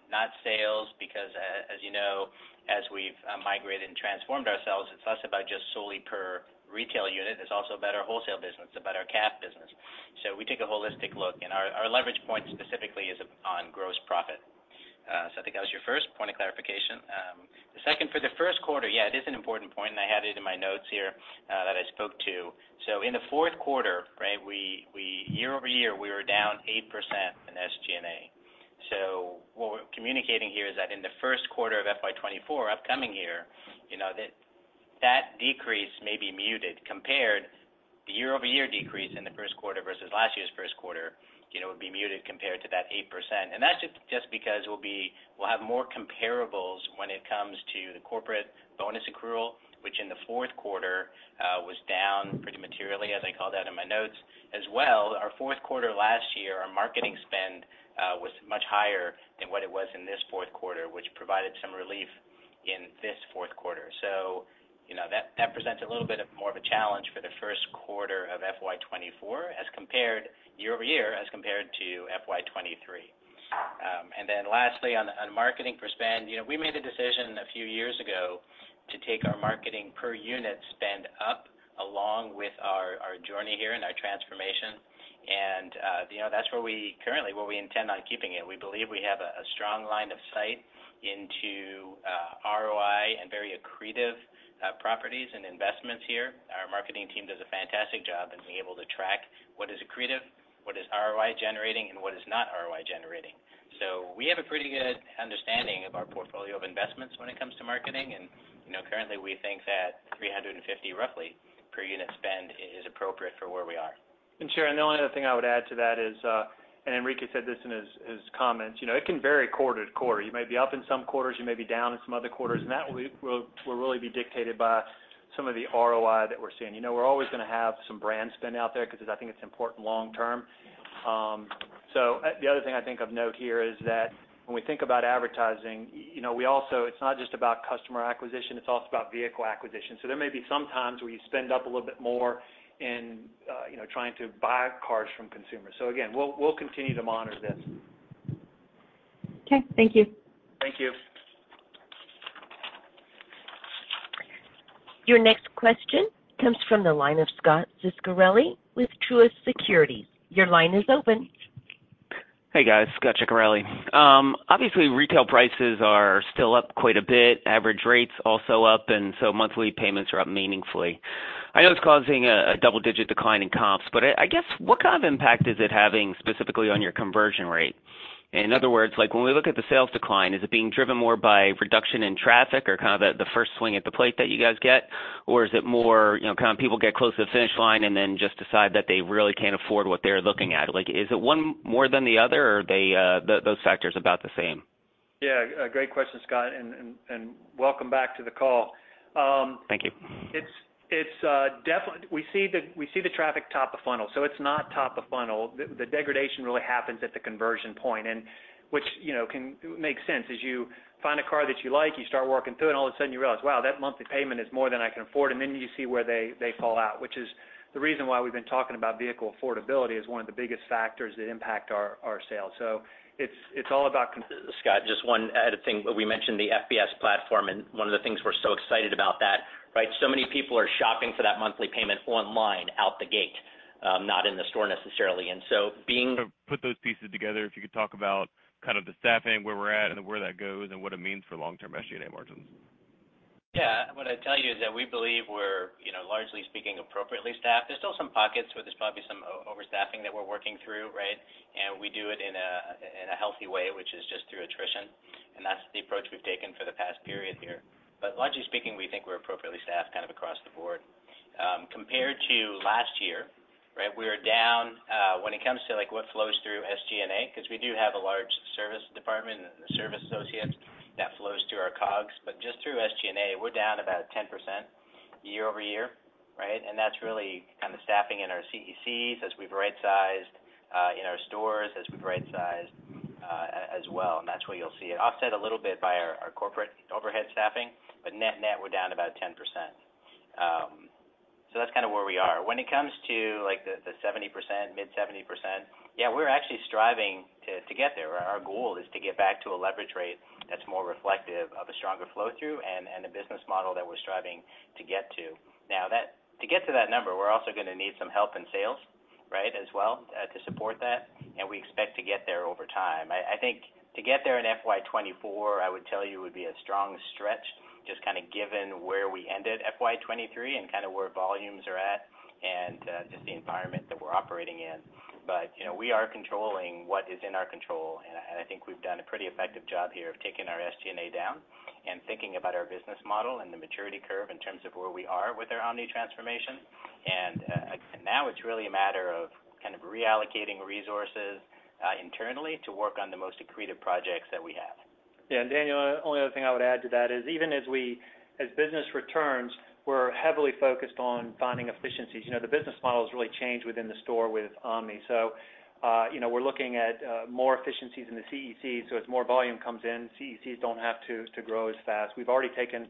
not sales because as you know, as we've migrated and transformed ourselves, it's less about just solely per retail unit. It's also about our wholesale business, about our CAF business. We take a holistic look, and our leverage point specifically is on gross profit. I think that was your first point of clarification. The second for the first quarter, yeah, it is an important point, and I had it in my notes here that I spoke to. In the fourth quarter, right, we year-over-year, we were down 8% in SG&A. What we're communicating here is that in the first quarter of FY 2024, upcoming year, you know, that decrease may be muted compared the year-over-year decrease in the first quarter versus last year's first quarter, you know, would be muted compared to that 8%. That's just because we'll have more comparables when it comes to the corporate bonus accrual, which in the fourth quarter was down pretty materially, as I called out in my notes. As well, our fourth quarter last year, our marketing spend was much higher than what it was in this fourth quarter, which provided some relief in this fourth quarter. You know, that presents a little bit of more of a challenge for the first quarter of FY 2024 as compared year-over-year, as compared to FY 2023. Then lastly, on marketing for spend, you know, we made the decision a few years ago to take our marketing per unit spend up along with our journey here and our transformation. You know, that's where we currently where we intend on keeping it. We believe we have a strong line of sight into ROI and very accretive properties and investments here. Our marketing team does a fantastic job in being able to track what is accretive, what is ROI generating, and what is not ROI generating. We have a pretty good understanding of our portfolio of investments when it comes to marketing. You know, currently, we think that $350 roughly per unit spend is appropriate for where we are. Sharon, the only other thing I would add to that is, and Enrique said this in his comments, you know, it can vary quarter to quarter. You may be up in some quarters, you may be down in some other quarters, and that will really be dictated by some of the ROI that we're seeing. You know, we're always going to have some brand spend out there because I think it's important long term. The other thing I think of note here is that when we think about advertising, you know, we also... it's not just about customer acquisition, it's also about vehicle acquisition. There may be some times where you spend up a little bit more in, you know, trying to buy cars from consumers. Again, we'll continue to monitor this. Okay. Thank you. Thank you. Your next question comes from the line of Scot Ciccarelli with Truist Securities. Your line is open. Hey, guys. Scot Ciccarelli. Obviously, retail prices are still up quite a bit, average rates also up, monthly payments are up meaningfully. I know it's causing a double-digit decline in comps, I guess what kind of impact is it having specifically on your conversion rate? In other words, like, when we look at the sales decline, is it being driven more by reduction in traffic or kind of the first swing at the plate that you guys get? Is it more, you know, kind of people get close to the finish line and then just decide that they really can't afford what they're looking at? Like, is it one more than the other, or those factors about the same? Yeah. A great question, Scot, and welcome back to the call. Thank you. It's we see the traffic top of funnel, it's not top of funnel. The degradation really happens at the conversion point and which, you know, can make sense as you find a car that you like, you start working through it, and all of a sudden you realize, "Wow, that monthly payment is more than I can afford." Then you see where they fall out, which is the reason why we've been talking about vehicle affordability as one of the biggest factors that impact our sales. It's all about. Scot, just one added thing. We mentioned the FBS platform. One of the things we're so excited about that, right? Many people are shopping for that monthly payment online out the gate, not in the store necessarily. To put those pieces together, if you could talk about kind of the staffing, where we're at and where that goes and what it means for long-term SG&A margins. What I'd tell you is that we believe we're, you know, largely speaking appropriately staffed. There's still some pockets where there's probably some overstaffing that we're working through, right? And we do it in a, in a healthy way, which is just through attrition, and that's the approach we've taken for the past period here. But largely speaking, we think we're appropriately staffed kind of across the board. Compared to last year, right, we are down when it comes to, like what flows through SG&A, because we do have a large service department and service associates that flows through our COGS. But just through SG&A, we're down about 10% year-over-year, right? And that's really kind of staffing in our CECs as we've right sized in our stores as we've right sized as well, and that's where you'll see it. Offset a little bit by our corporate overhead staffing, but net-net, we're down about 10%. That's kind of where we are. When it comes to, like, the 70%, mid-70%, yeah, we're actually striving to get there. Our goal is to get back to a leverage rate that's more reflective of a stronger flow-through and a business model that we're striving to get to. To get to that number, we're also going to need some help in sales, right, as well, to support that. We expect to get there over time. I think to get there in FY 2024, I would tell you, would be a strong stretch, just kind of given where we ended FY 2023 and kind of where volumes are at and, just the environment that we're operating in. You know, we are controlling what is in our control, and I think we've done a pretty effective job here of taking our SG&A down and thinking about our business model and the maturity curve in terms of where we are with our omni transformation. Now it's really a matter of kind of reallocating resources internally to work on the most accretive projects that we have. Daniel, only other thing I would add to that is even as we, as business returns, we're heavily focused on finding efficiencies. You know, the business model has really changed within the store with omni. You know, we're looking at more efficiencies in the CECs. As more volume comes in, CECs don't have to grow as fast. We've already taken,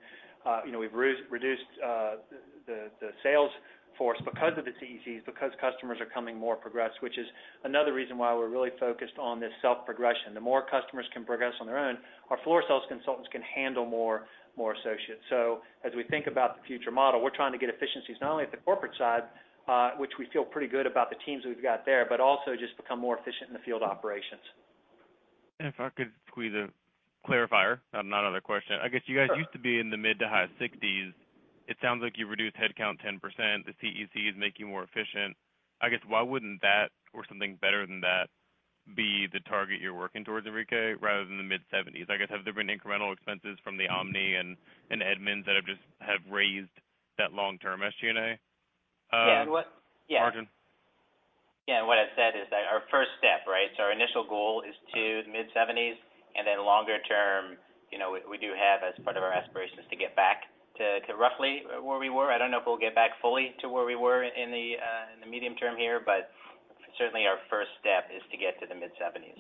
you know, we've reduced the sales force because of the CECs, because customers are coming more progressed, which is another reason why we're really focused on this self-progression. The more customers can progress on their own, our floor sales consultants can handle more associates. As we think about the future model, we're trying to get efficiencies, not only at the corporate side, which we feel pretty good about the teams we've got there, but also just become more efficient in the field operations. If I could squeeze a clarifier, not another question. I guess you guys used to be in the mid-to-high 60s. It sounds like you've reduced headcount 10%. The CECs make you more efficient. I guess, why wouldn't that or something better than that be the target you're working towards, Enrique, rather than the mid-70s? I guess, have there been incremental expenses from the omni and Edmunds that have just raised that long-term SG&A? Yeah. -margin? Yeah. What I said is that our first step, right? Our initial goal is to mid-70s and then longer term, you know, we do have as part of our aspirations to get back to roughly where we were. I don't know if we'll get back fully to where we were in the medium term here, but certainly our first step is to get to the mid-70s.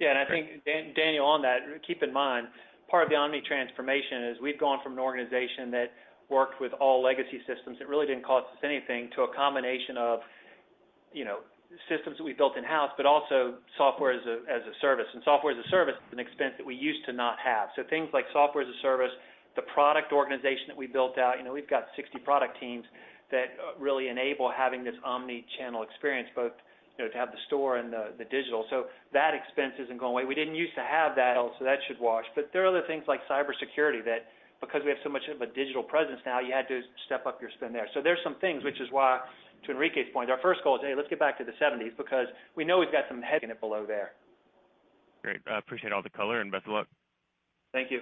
Yeah. I think Daniel, on that, keep in mind, part of the omni transformation is we've gone from an organization that worked with all legacy systems that really didn't cost us anything to a combination of. You know, systems that we built in-house, but also software as a service. Software as a service is an expense that we used to not have. Things like software as a service, the product organization that we built out, you know, we've got 60 product teams that really enable having this omni channel experience, both, you know, to have the store and the digital. That expense isn't going away. We didn't use to have that, also that should wash. There are other things like cybersecurity that because we have so much of a digital presence now, you had to step up your spend there. There's some things which is why, to Enrique's point, our first goal is, hey, let's get back to the seventies because we know we've got some head in it below there. Great. I appreciate all the color, and best of luck. Thank you.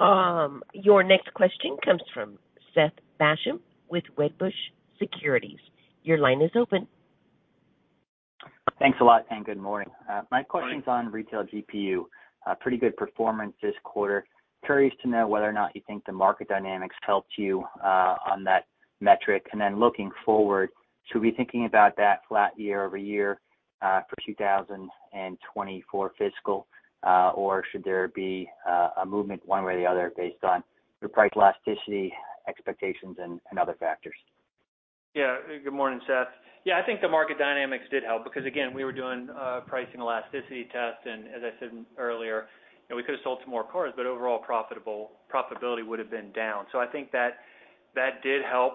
Your next question comes from Seth Basham with Wedbush Securities. Your line is open. Thanks a lot, and good morning. My question's on retail GPU. A pretty good performance this quarter. Curious to know whether or not you think the market dynamics helped you on that metric. Looking forward, should we be thinking about that flat year-over-year for 2024 fiscal, or should there be a movement one way or the other based on your price elasticity, expectations and other factors? Good morning, Seth. I think the market dynamics did help because again, we were doing pricing elasticity tests. As I said earlier, you know, we could have sold some more cars, but overall profitability would have been down. I think that that did help.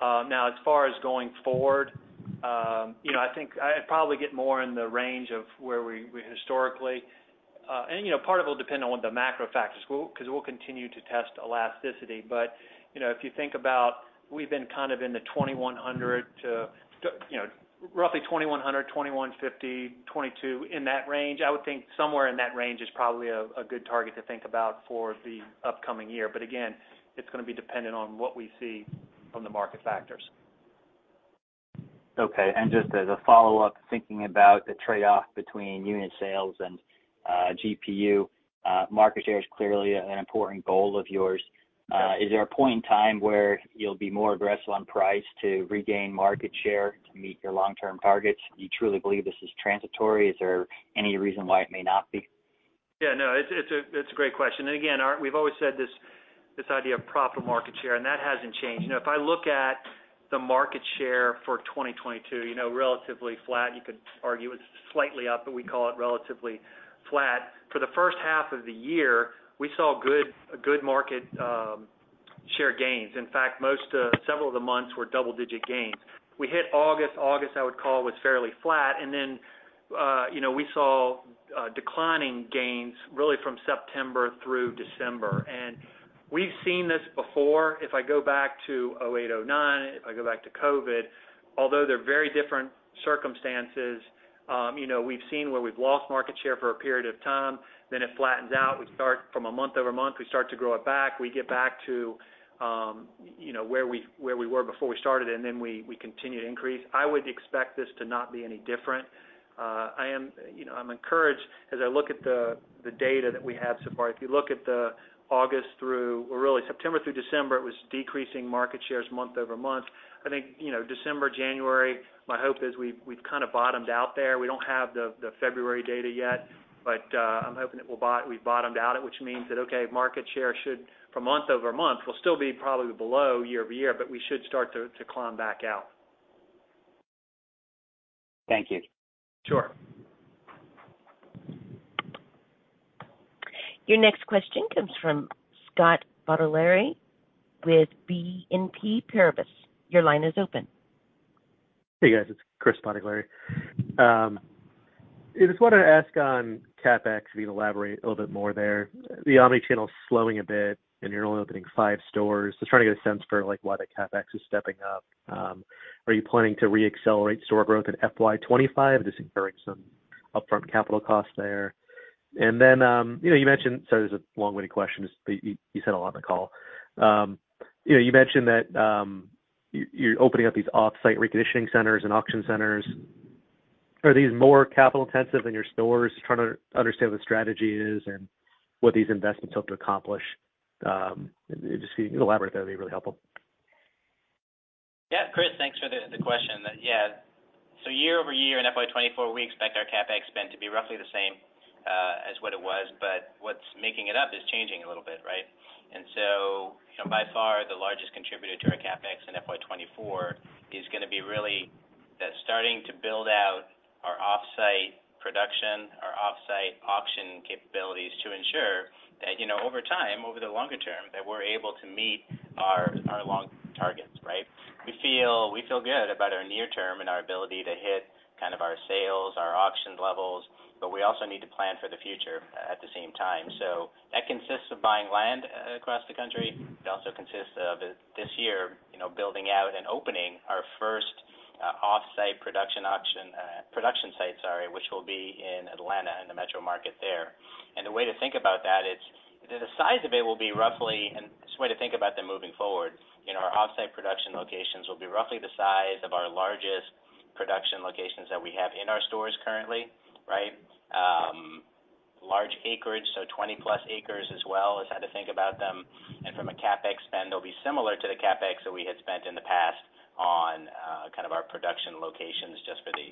Now as far as going forward, you know, I think I'd probably get more in the range of where we historically. Part of it will depend on what the macro factors, because we'll continue to test elasticity. You know, if you think about we've been kind of in the $21,000 to, you know, roughly $21,000, $21,500, $22,000 in that range. I would think somewhere in that range is probably a good target to think about for the upcoming year. Again, it's gonna be dependent on what we see from the market factors. Okay. Just as a follow-up, thinking about the trade-off between unit sales and GPU, market share is clearly an important goal of yours. Is there a point in time where you'll be more aggressive on price to regain market share to meet your long-term targets? Do you truly believe this is transitory? Is there any reason why it may not be? No, it's a, it's a great question. Again, we've always said this idea of profit market share, and that hasn't changed. You know, if I look at the market share for 2022, you know, relatively flat, you could argue it's slightly up, but we call it relatively flat. For the first half of the year, we saw a good market share gains. In fact, several of the months were double-digit gains. We hit August. August I would call was fairly flat. Then, you know, we saw declining gains really from September through December. We've seen this before. If I go back to 2008, 2009, if I go back to COVID, although they're very different circumstances, you know, we've seen where we've lost market share for a period of time, then it flattens out. We start from a month-over-month, we start to grow it back. We get back to, you know, where we were before we started, and then we continue to increase. I would expect this to not be any different. I am, you know, I'm encouraged as I look at the data that we have so far. If you look at the August through or really September through December, it was decreasing market shares month-over-month. I think, you know, December, January, my hope is we've kinda bottomed out there. We don't have the February data yet, but I'm hoping we've bottomed out, which means that, okay, market share should from month-over-month will still be probably below year-over-year, but we should start to climb back out. Thank you. Sure. Your next question comes from Chris Bottiglieri with BNP Paribas. Your line is open. Hey, guys, it's Chris Bottiglieri. I just wanted to ask on CapEx if you can elaborate a little bit more there. The omni channel is slowing a bit and you're only opening five stores. Just trying to get a sense for like why the CapEx is stepping up. Are you planning to reaccelerate store growth in FY 2025, just incurring some upfront capital costs there? You know, you mentioned... Sorry, this is a long-winded question. You said a lot on the call. You know, you mentioned that you're opening up these off-site reconditioning centers and auction centers. Are these more capital-intensive than your stores? Just trying to understand what the strategy is and what these investments hope to accomplish. Just if you can elaborate, that'd be really helpful. Yeah, Chris, thanks for the question. Yeah. Year-over-year in FY 2024, we expect our CapEx spend to be roughly the same as what it was, but what's making it up is changing a little bit, right? You know, by far the largest contributor to our CapEx in FY 2024 is gonna be really that starting to build out our offsite production, our offsite auction capabilities to ensure that, you know, over time, over the longer term, that we're able to meet our long targets, right? We feel good about our near term and our ability to hit kind of our sales, our auction levels, but we also need to plan for the future at the same time. That consists of buying land across the country. It also consists of this year, you know, building out and opening our first offsite production site, sorry, which will be in Atlanta, in the metro market there. The way to think about that is the size of it will be roughly, and just way to think about them moving forward, you know, our offsite production locations will be roughly the size of our largest production locations that we have in our stores currently, right? Large acreage, so 20+ acres as well, is how to think about them. From a CapEx spend, they'll be similar to the CapEx that we had spent in the past on kind of our production locations just for the,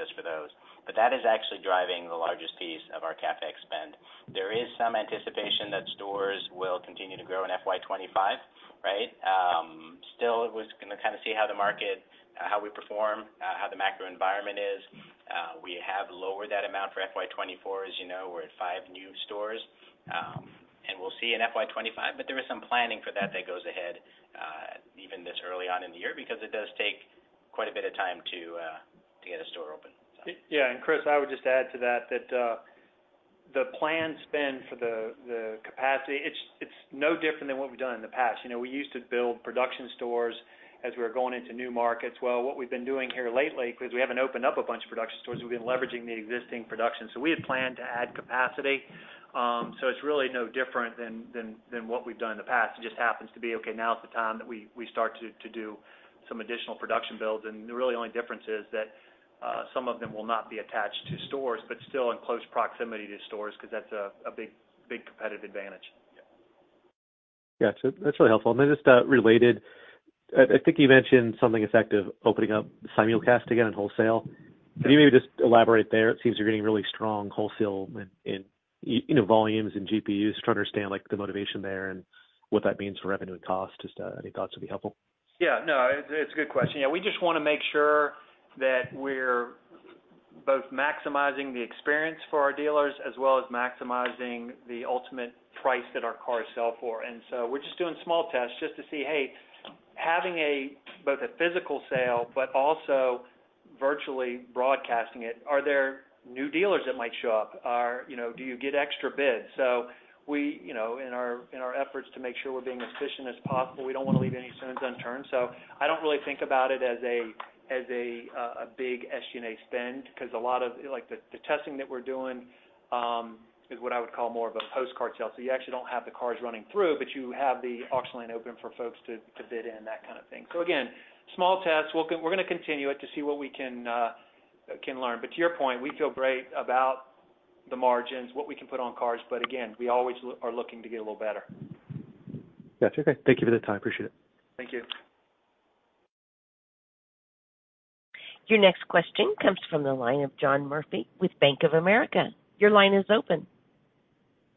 just for those. That is actually driving the largest piece of our CapEx spend. There is some anticipation that stores will continue to grow in FY 2025, right? still we're gonna kind of see how the market, how we perform, how the macro environment is. We have lowered that amount for FY 2024. As you know, we're at five new stores, and we'll see in FY 2025. There is some planning for that that goes ahead, even this early on in the year because it does take quite a bit of time to get a store open, so. Yeah. Chris, I would just add to that the planned spend for the capacity, it's no different than what we've done in the past. You know, we used to build production stores as we were going into new markets. What we've been doing here lately, 'cause we haven't opened up a bunch of production stores, we've been leveraging the existing production. We had planned to add capacity. It's really no different than what we've done in the past. It just happens to be, okay, now is the time that we start to do some additional production builds. The really only difference is that some of them will not be attached to stores, but still in close proximity to stores 'cause that's a big competitive advantage. Yeah. Gotcha. That's really helpful. Then just related, I think you mentioned something effective, opening up simulcast again in wholesale. Can you maybe just elaborate there? It seems you're getting really strong wholesale in you know, volumes and GPUs. Just trying to understand, like, the motivation there and what that means for revenue and cost. Just any thoughts would be helpful. Yeah, no, it's a good question. Yeah, we just wanna make sure that we're both maximizing the experience for our dealers as well as maximizing the ultimate price that our cars sell for. We're just doing small tests just to see, hey, having both a physical sale but also virtually broadcasting it, are there new dealers that might show up? You know, do you get extra bids? We, you know, in our efforts to make sure we're being efficient as possible, we don't wanna leave any stones unturned. I don't really think about it as a big SG&A spend, 'cause a lot of, like, the testing that we're doing is what I would call more of a postcard sale. You actually don't have the cars running through, but you have the auction lane open for folks to bid in, that kind of thing. Again, small tests. We're gonna continue it to see what we can learn. To your point, we feel great about the margins, what we can put on cars, but again, we always are looking to get a little better. Gotcha. Okay. Thank you for the time. Appreciate it. Thank you. Your next question comes from the line of John Murphy with Bank of America. Your line is open.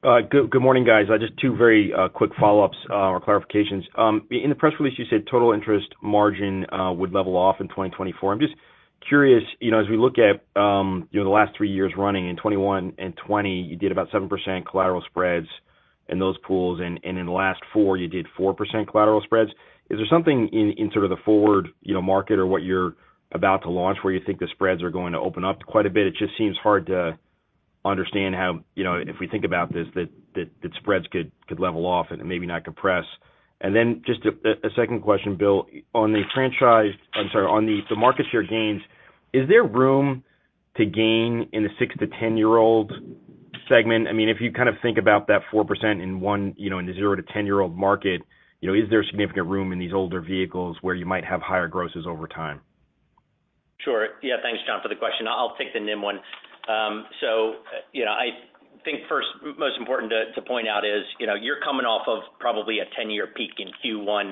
Good morning, guys. Just two very quick follow-ups or clarifications. In the press release you said total interest margin would level off in 2024. I'm just curious, you know, as we look at, you know, the last three years running, in 2021 and 2020 you did about 7% collateral spreads in those pools and in the last four you did 4% collateral spreads. Is there something in sort of the forward, you know, market or what you're about to launch where you think the spreads are going to open up quite a bit? It just seems hard to understand how, you know, if we think about this, that spreads could level off and maybe not compress. Then just a second question, Bill. On the franchise... I'm sorry, on the market share gains, is there room to gain in the six to 10-year-old segment? I mean, if you kind of think about that 4% in one, you know, in the zero to 10-year-old market, you know, is there significant room in these older vehicles where you might have higher grosses over time? Sure. Yeah. Thanks, John, for the question. I'll take the NIM one. You know, I think first, most important to point out is, you know, you're coming off of probably a 10-year peak in Q1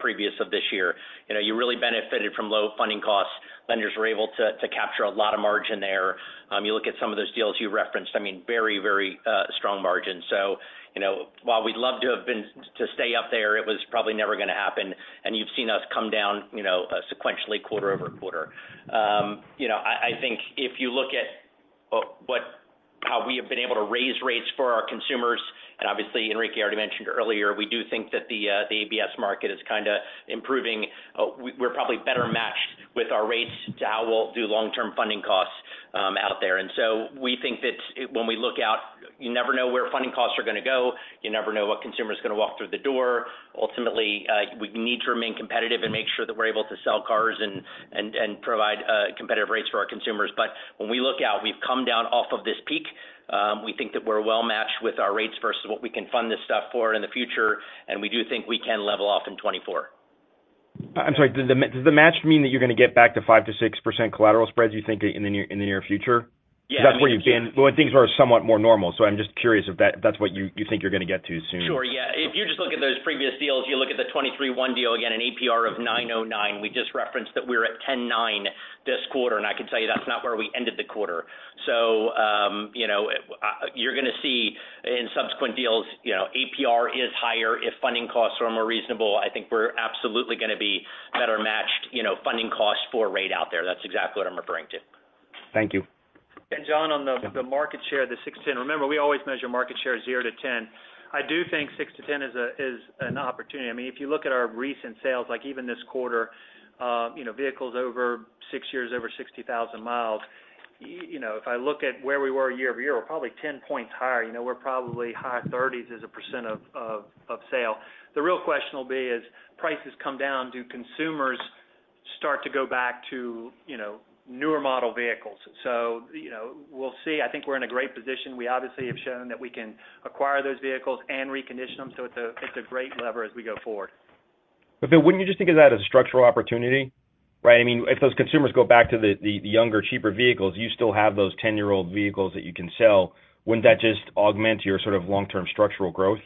previous of this year. You know, you really benefited from low funding costs. Lenders were able to capture a lot of margin there. You look at some of those deals you referenced, I mean, very, very strong margin. You know, while we'd love to have been, to stay up there, it was probably never gonna happen. You've seen us come down, you know, sequentially quarter-over-quarter. You know, I think if you look at, what, how we have been able to raise rates for our consumers, and obviously Enrique already mentioned earlier, we do think that the ABS market is kinda improving. We're probably better matched with our rates to how we'll do long-term funding costs, out there. When we look out, you never know where funding costs are gonna go. You never know what consumer's gonna walk through the door. Ultimately, we need to remain competitive and make sure that we're able to sell cars and provide, competitive rates for our consumers. When we look out, we've come down off of this peak. We think that we're well matched with our rates versus what we can fund this stuff for in the future, and we do think we can level off in 2024. I'm sorry. Does the match mean that you're gonna get back to 5%-6% collateral spreads, you think, in the near future? Yeah, I mean- That's where you've been when things are somewhat more normal. I'm just curious if that's what you think you're gonna get to soon? Sure, yeah. If you just look at those previous deals, you look at the 2023-1 deal, again an APR of 9.09. We just referenced that we're at 10.9 this quarter, and I can tell you that's not where we ended the quarter. You know, you're gonna see in subsequent deals, you know, APR is higher if funding costs are more reasonable. I think we're absolutely gonna be better matched, you know, funding costs for rate out there. That's exactly what I'm referring to. Thank you. John, the market share, the six to 10. Remember, we always measure market share zero to 10. I do think six to 10 is an opportunity. I mean, if you look at our recent sales, like even this quarter, you know, vehicles over six years, over 60,000 miles, you know, if I look at where we were year-over-year, we're probably 10 points higher. You know, we're probably high thirties as a % of sale. The real question will be is prices come down, do consumers start to go back to, you know, newer model vehicles? You know, we'll see. I think we're in a great position. We obviously have shown that we can acquire those vehicles and recondition them, so it's a great lever as we go forward. Wouldn't you just think of that as a structural opportunity, right? I mean, if those consumers go back to the younger, cheaper vehicles, you still have those 10-year-old vehicles that you can sell. Wouldn't that just augment your sort of long-term structural growth?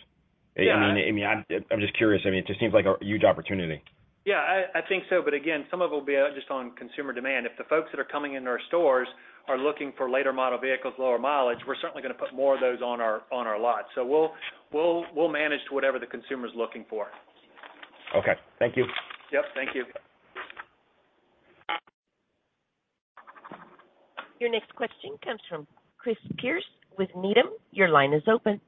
I mean, I'm just curious. I mean, it just seems like a huge opportunity. Yeah, I think so. Again, some of it will be just on consumer demand. If the folks that are coming into our stores are looking for later model vehicles, lower mileage, we're certainly going to put more of those on our lot. We'll manage to whatever the consumer is looking for. Okay, thank you. Yep, thank you. Your next question comes from Chris Pierce with Needham. Your line is open.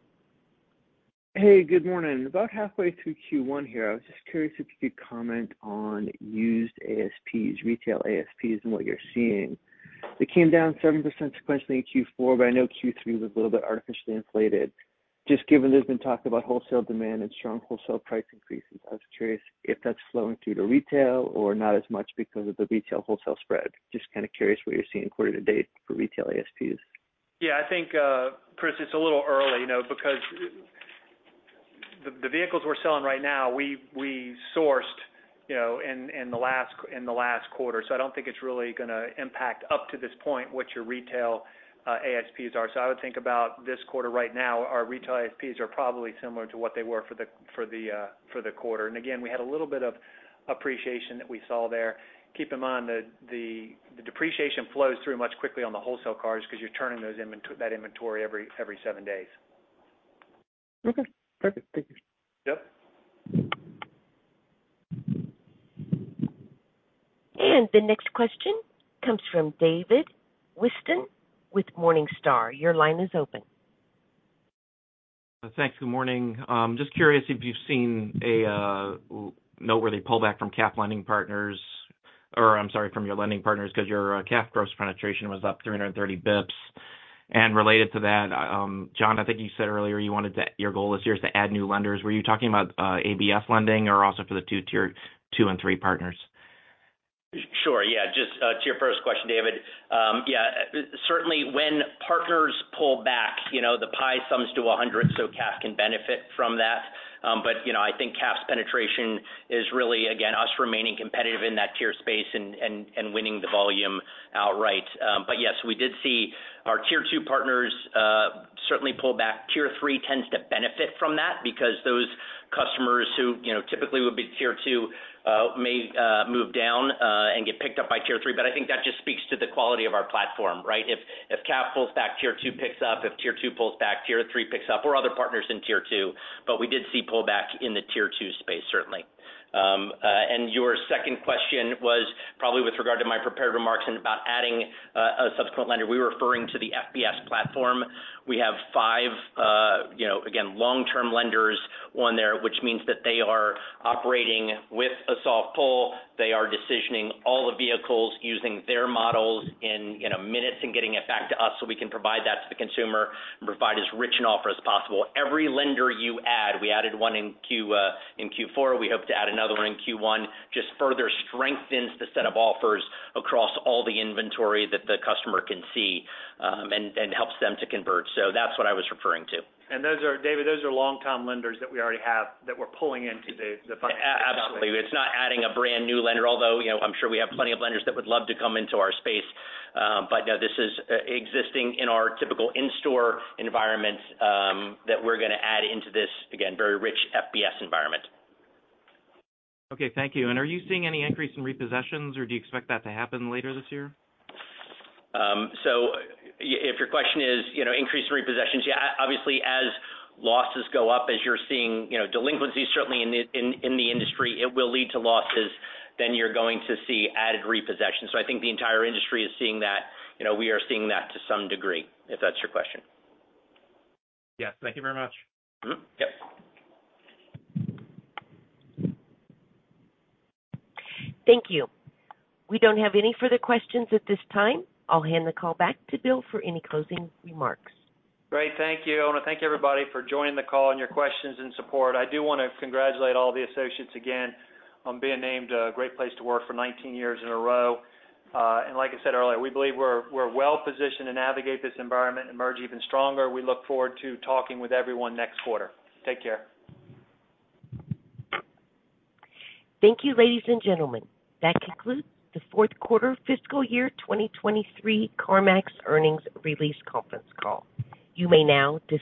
Hey, good morning. About halfway through Q1 here, I was just curious if you could comment on used ASPs, retail ASPs, and what you're seeing. They came down 7% sequentially in Q4. I know Q3 was a little bit artificially inflated. Just given there's been talk about wholesale demand and strong wholesale price increases, I was curious if that's flowing through to retail or not as much because of the retail wholesale spread. Just kind of curious what you're seeing quarter to date for retail ASPs. I think, Chris, it's a little early, you know, because the vehicles we're selling right now, we sourced, you know, in the last quarter. I don't think it's really gonna impact up to this point what your retail ASPs are. I would think about this quarter right now, our retail ASPs are probably similar to what they were for the quarter. Again, we had a little bit of appreciation that we saw there. Keep in mind that the depreciation flows through much quickly on the wholesale cars because you're turning that inventory every seven days. Okay, perfect. Thank you. Yep. The next question comes from David Whiston with Morningstar. Your line is open. Thanks. Good morning. Just curious if you've seen a noteworthy pullback from CAF lending partners or, I'm sorry, from your lending partners because your CAF gross penetration was up 330 basis points. Related to that, Jon, I think you said earlier Your goal this year is to add new lenders. Were you talking about ABS lending or also for the two Tier 2 and 3 partners? Sure. Yeah. Just to your first question, David. Yeah, certainly when partners pull back, you know, the pie sums to 100, so CAF can benefit from that. You know, I think CAF's penetration is really, again, us remaining competitive in that tier space and winning the volume outright. Yes, we did see our Tier 2 partners certainly pull back. Tier 3 tends to benefit from that because those customers who, you know, typically would be Tier 2, may move down and get picked up by Tier 3. I think that just speaks to the quality of our platform, right? If CAF pulls back, Tier 2 picks up. If Tier 2 pulls back, Tier 3 picks up, or other partners in Tier 2. We did see pullback in the Tier 2 space, certainly. Your second question was probably with regard to my prepared remarks and about adding a subsequent lender. We were referring to the FBS platform. We have five, you know, again, long-term lenders on there, which means that they are operating with a soft pull. They are decisioning all the vehicles using their models in minutes and getting it back to us so we can provide that to the consumer and provide as rich an offer as possible. Every lender you add, we added one in Q4, we hope to add another one in Q1, just further strengthens the set of offers across all the inventory that the customer can see, and helps them to convert. That's what I was referring to. David, those are longtime lenders that we already have that we're pulling into the platform. Absolutely. It's not adding a brand new lender, although, you know, I'm sure we have plenty of lenders that would love to come into our space. No, this is existing in our typical in-store environment, that we're gonna add into this, again, very rich FBS environment. Okay, thank you. Are you seeing any increase in repossessions or do you expect that to happen later this year? If your question is, you know, increased repossessions, yeah, obviously as losses go up, as you're seeing, you know, delinquencies certainly in the industry, it will lead to losses, then you're going to see added repossessions. I think the entire industry is seeing that. You know, we are seeing that to some degree, if that's your question. Yes. Thank you very much. Mm-hmm. Yep. Thank you. We don't have any further questions at this time. I'll hand the call back to Bill for any closing remarks. Great. Thank you. I want to thank everybody for joining the call and your questions and support. I do want to congratulate all the associates again on being named a great place to work for 19 years in a row. Like I said earlier, we believe we're well positioned to navigate this environment and emerge even stronger. We look forward to talking with everyone next quarter. Take care. Thank you, ladies and gentlemen. That concludes the fourth quarter fiscal year 2023 CarMax Earnings Release Conference Call. You may now disconnect.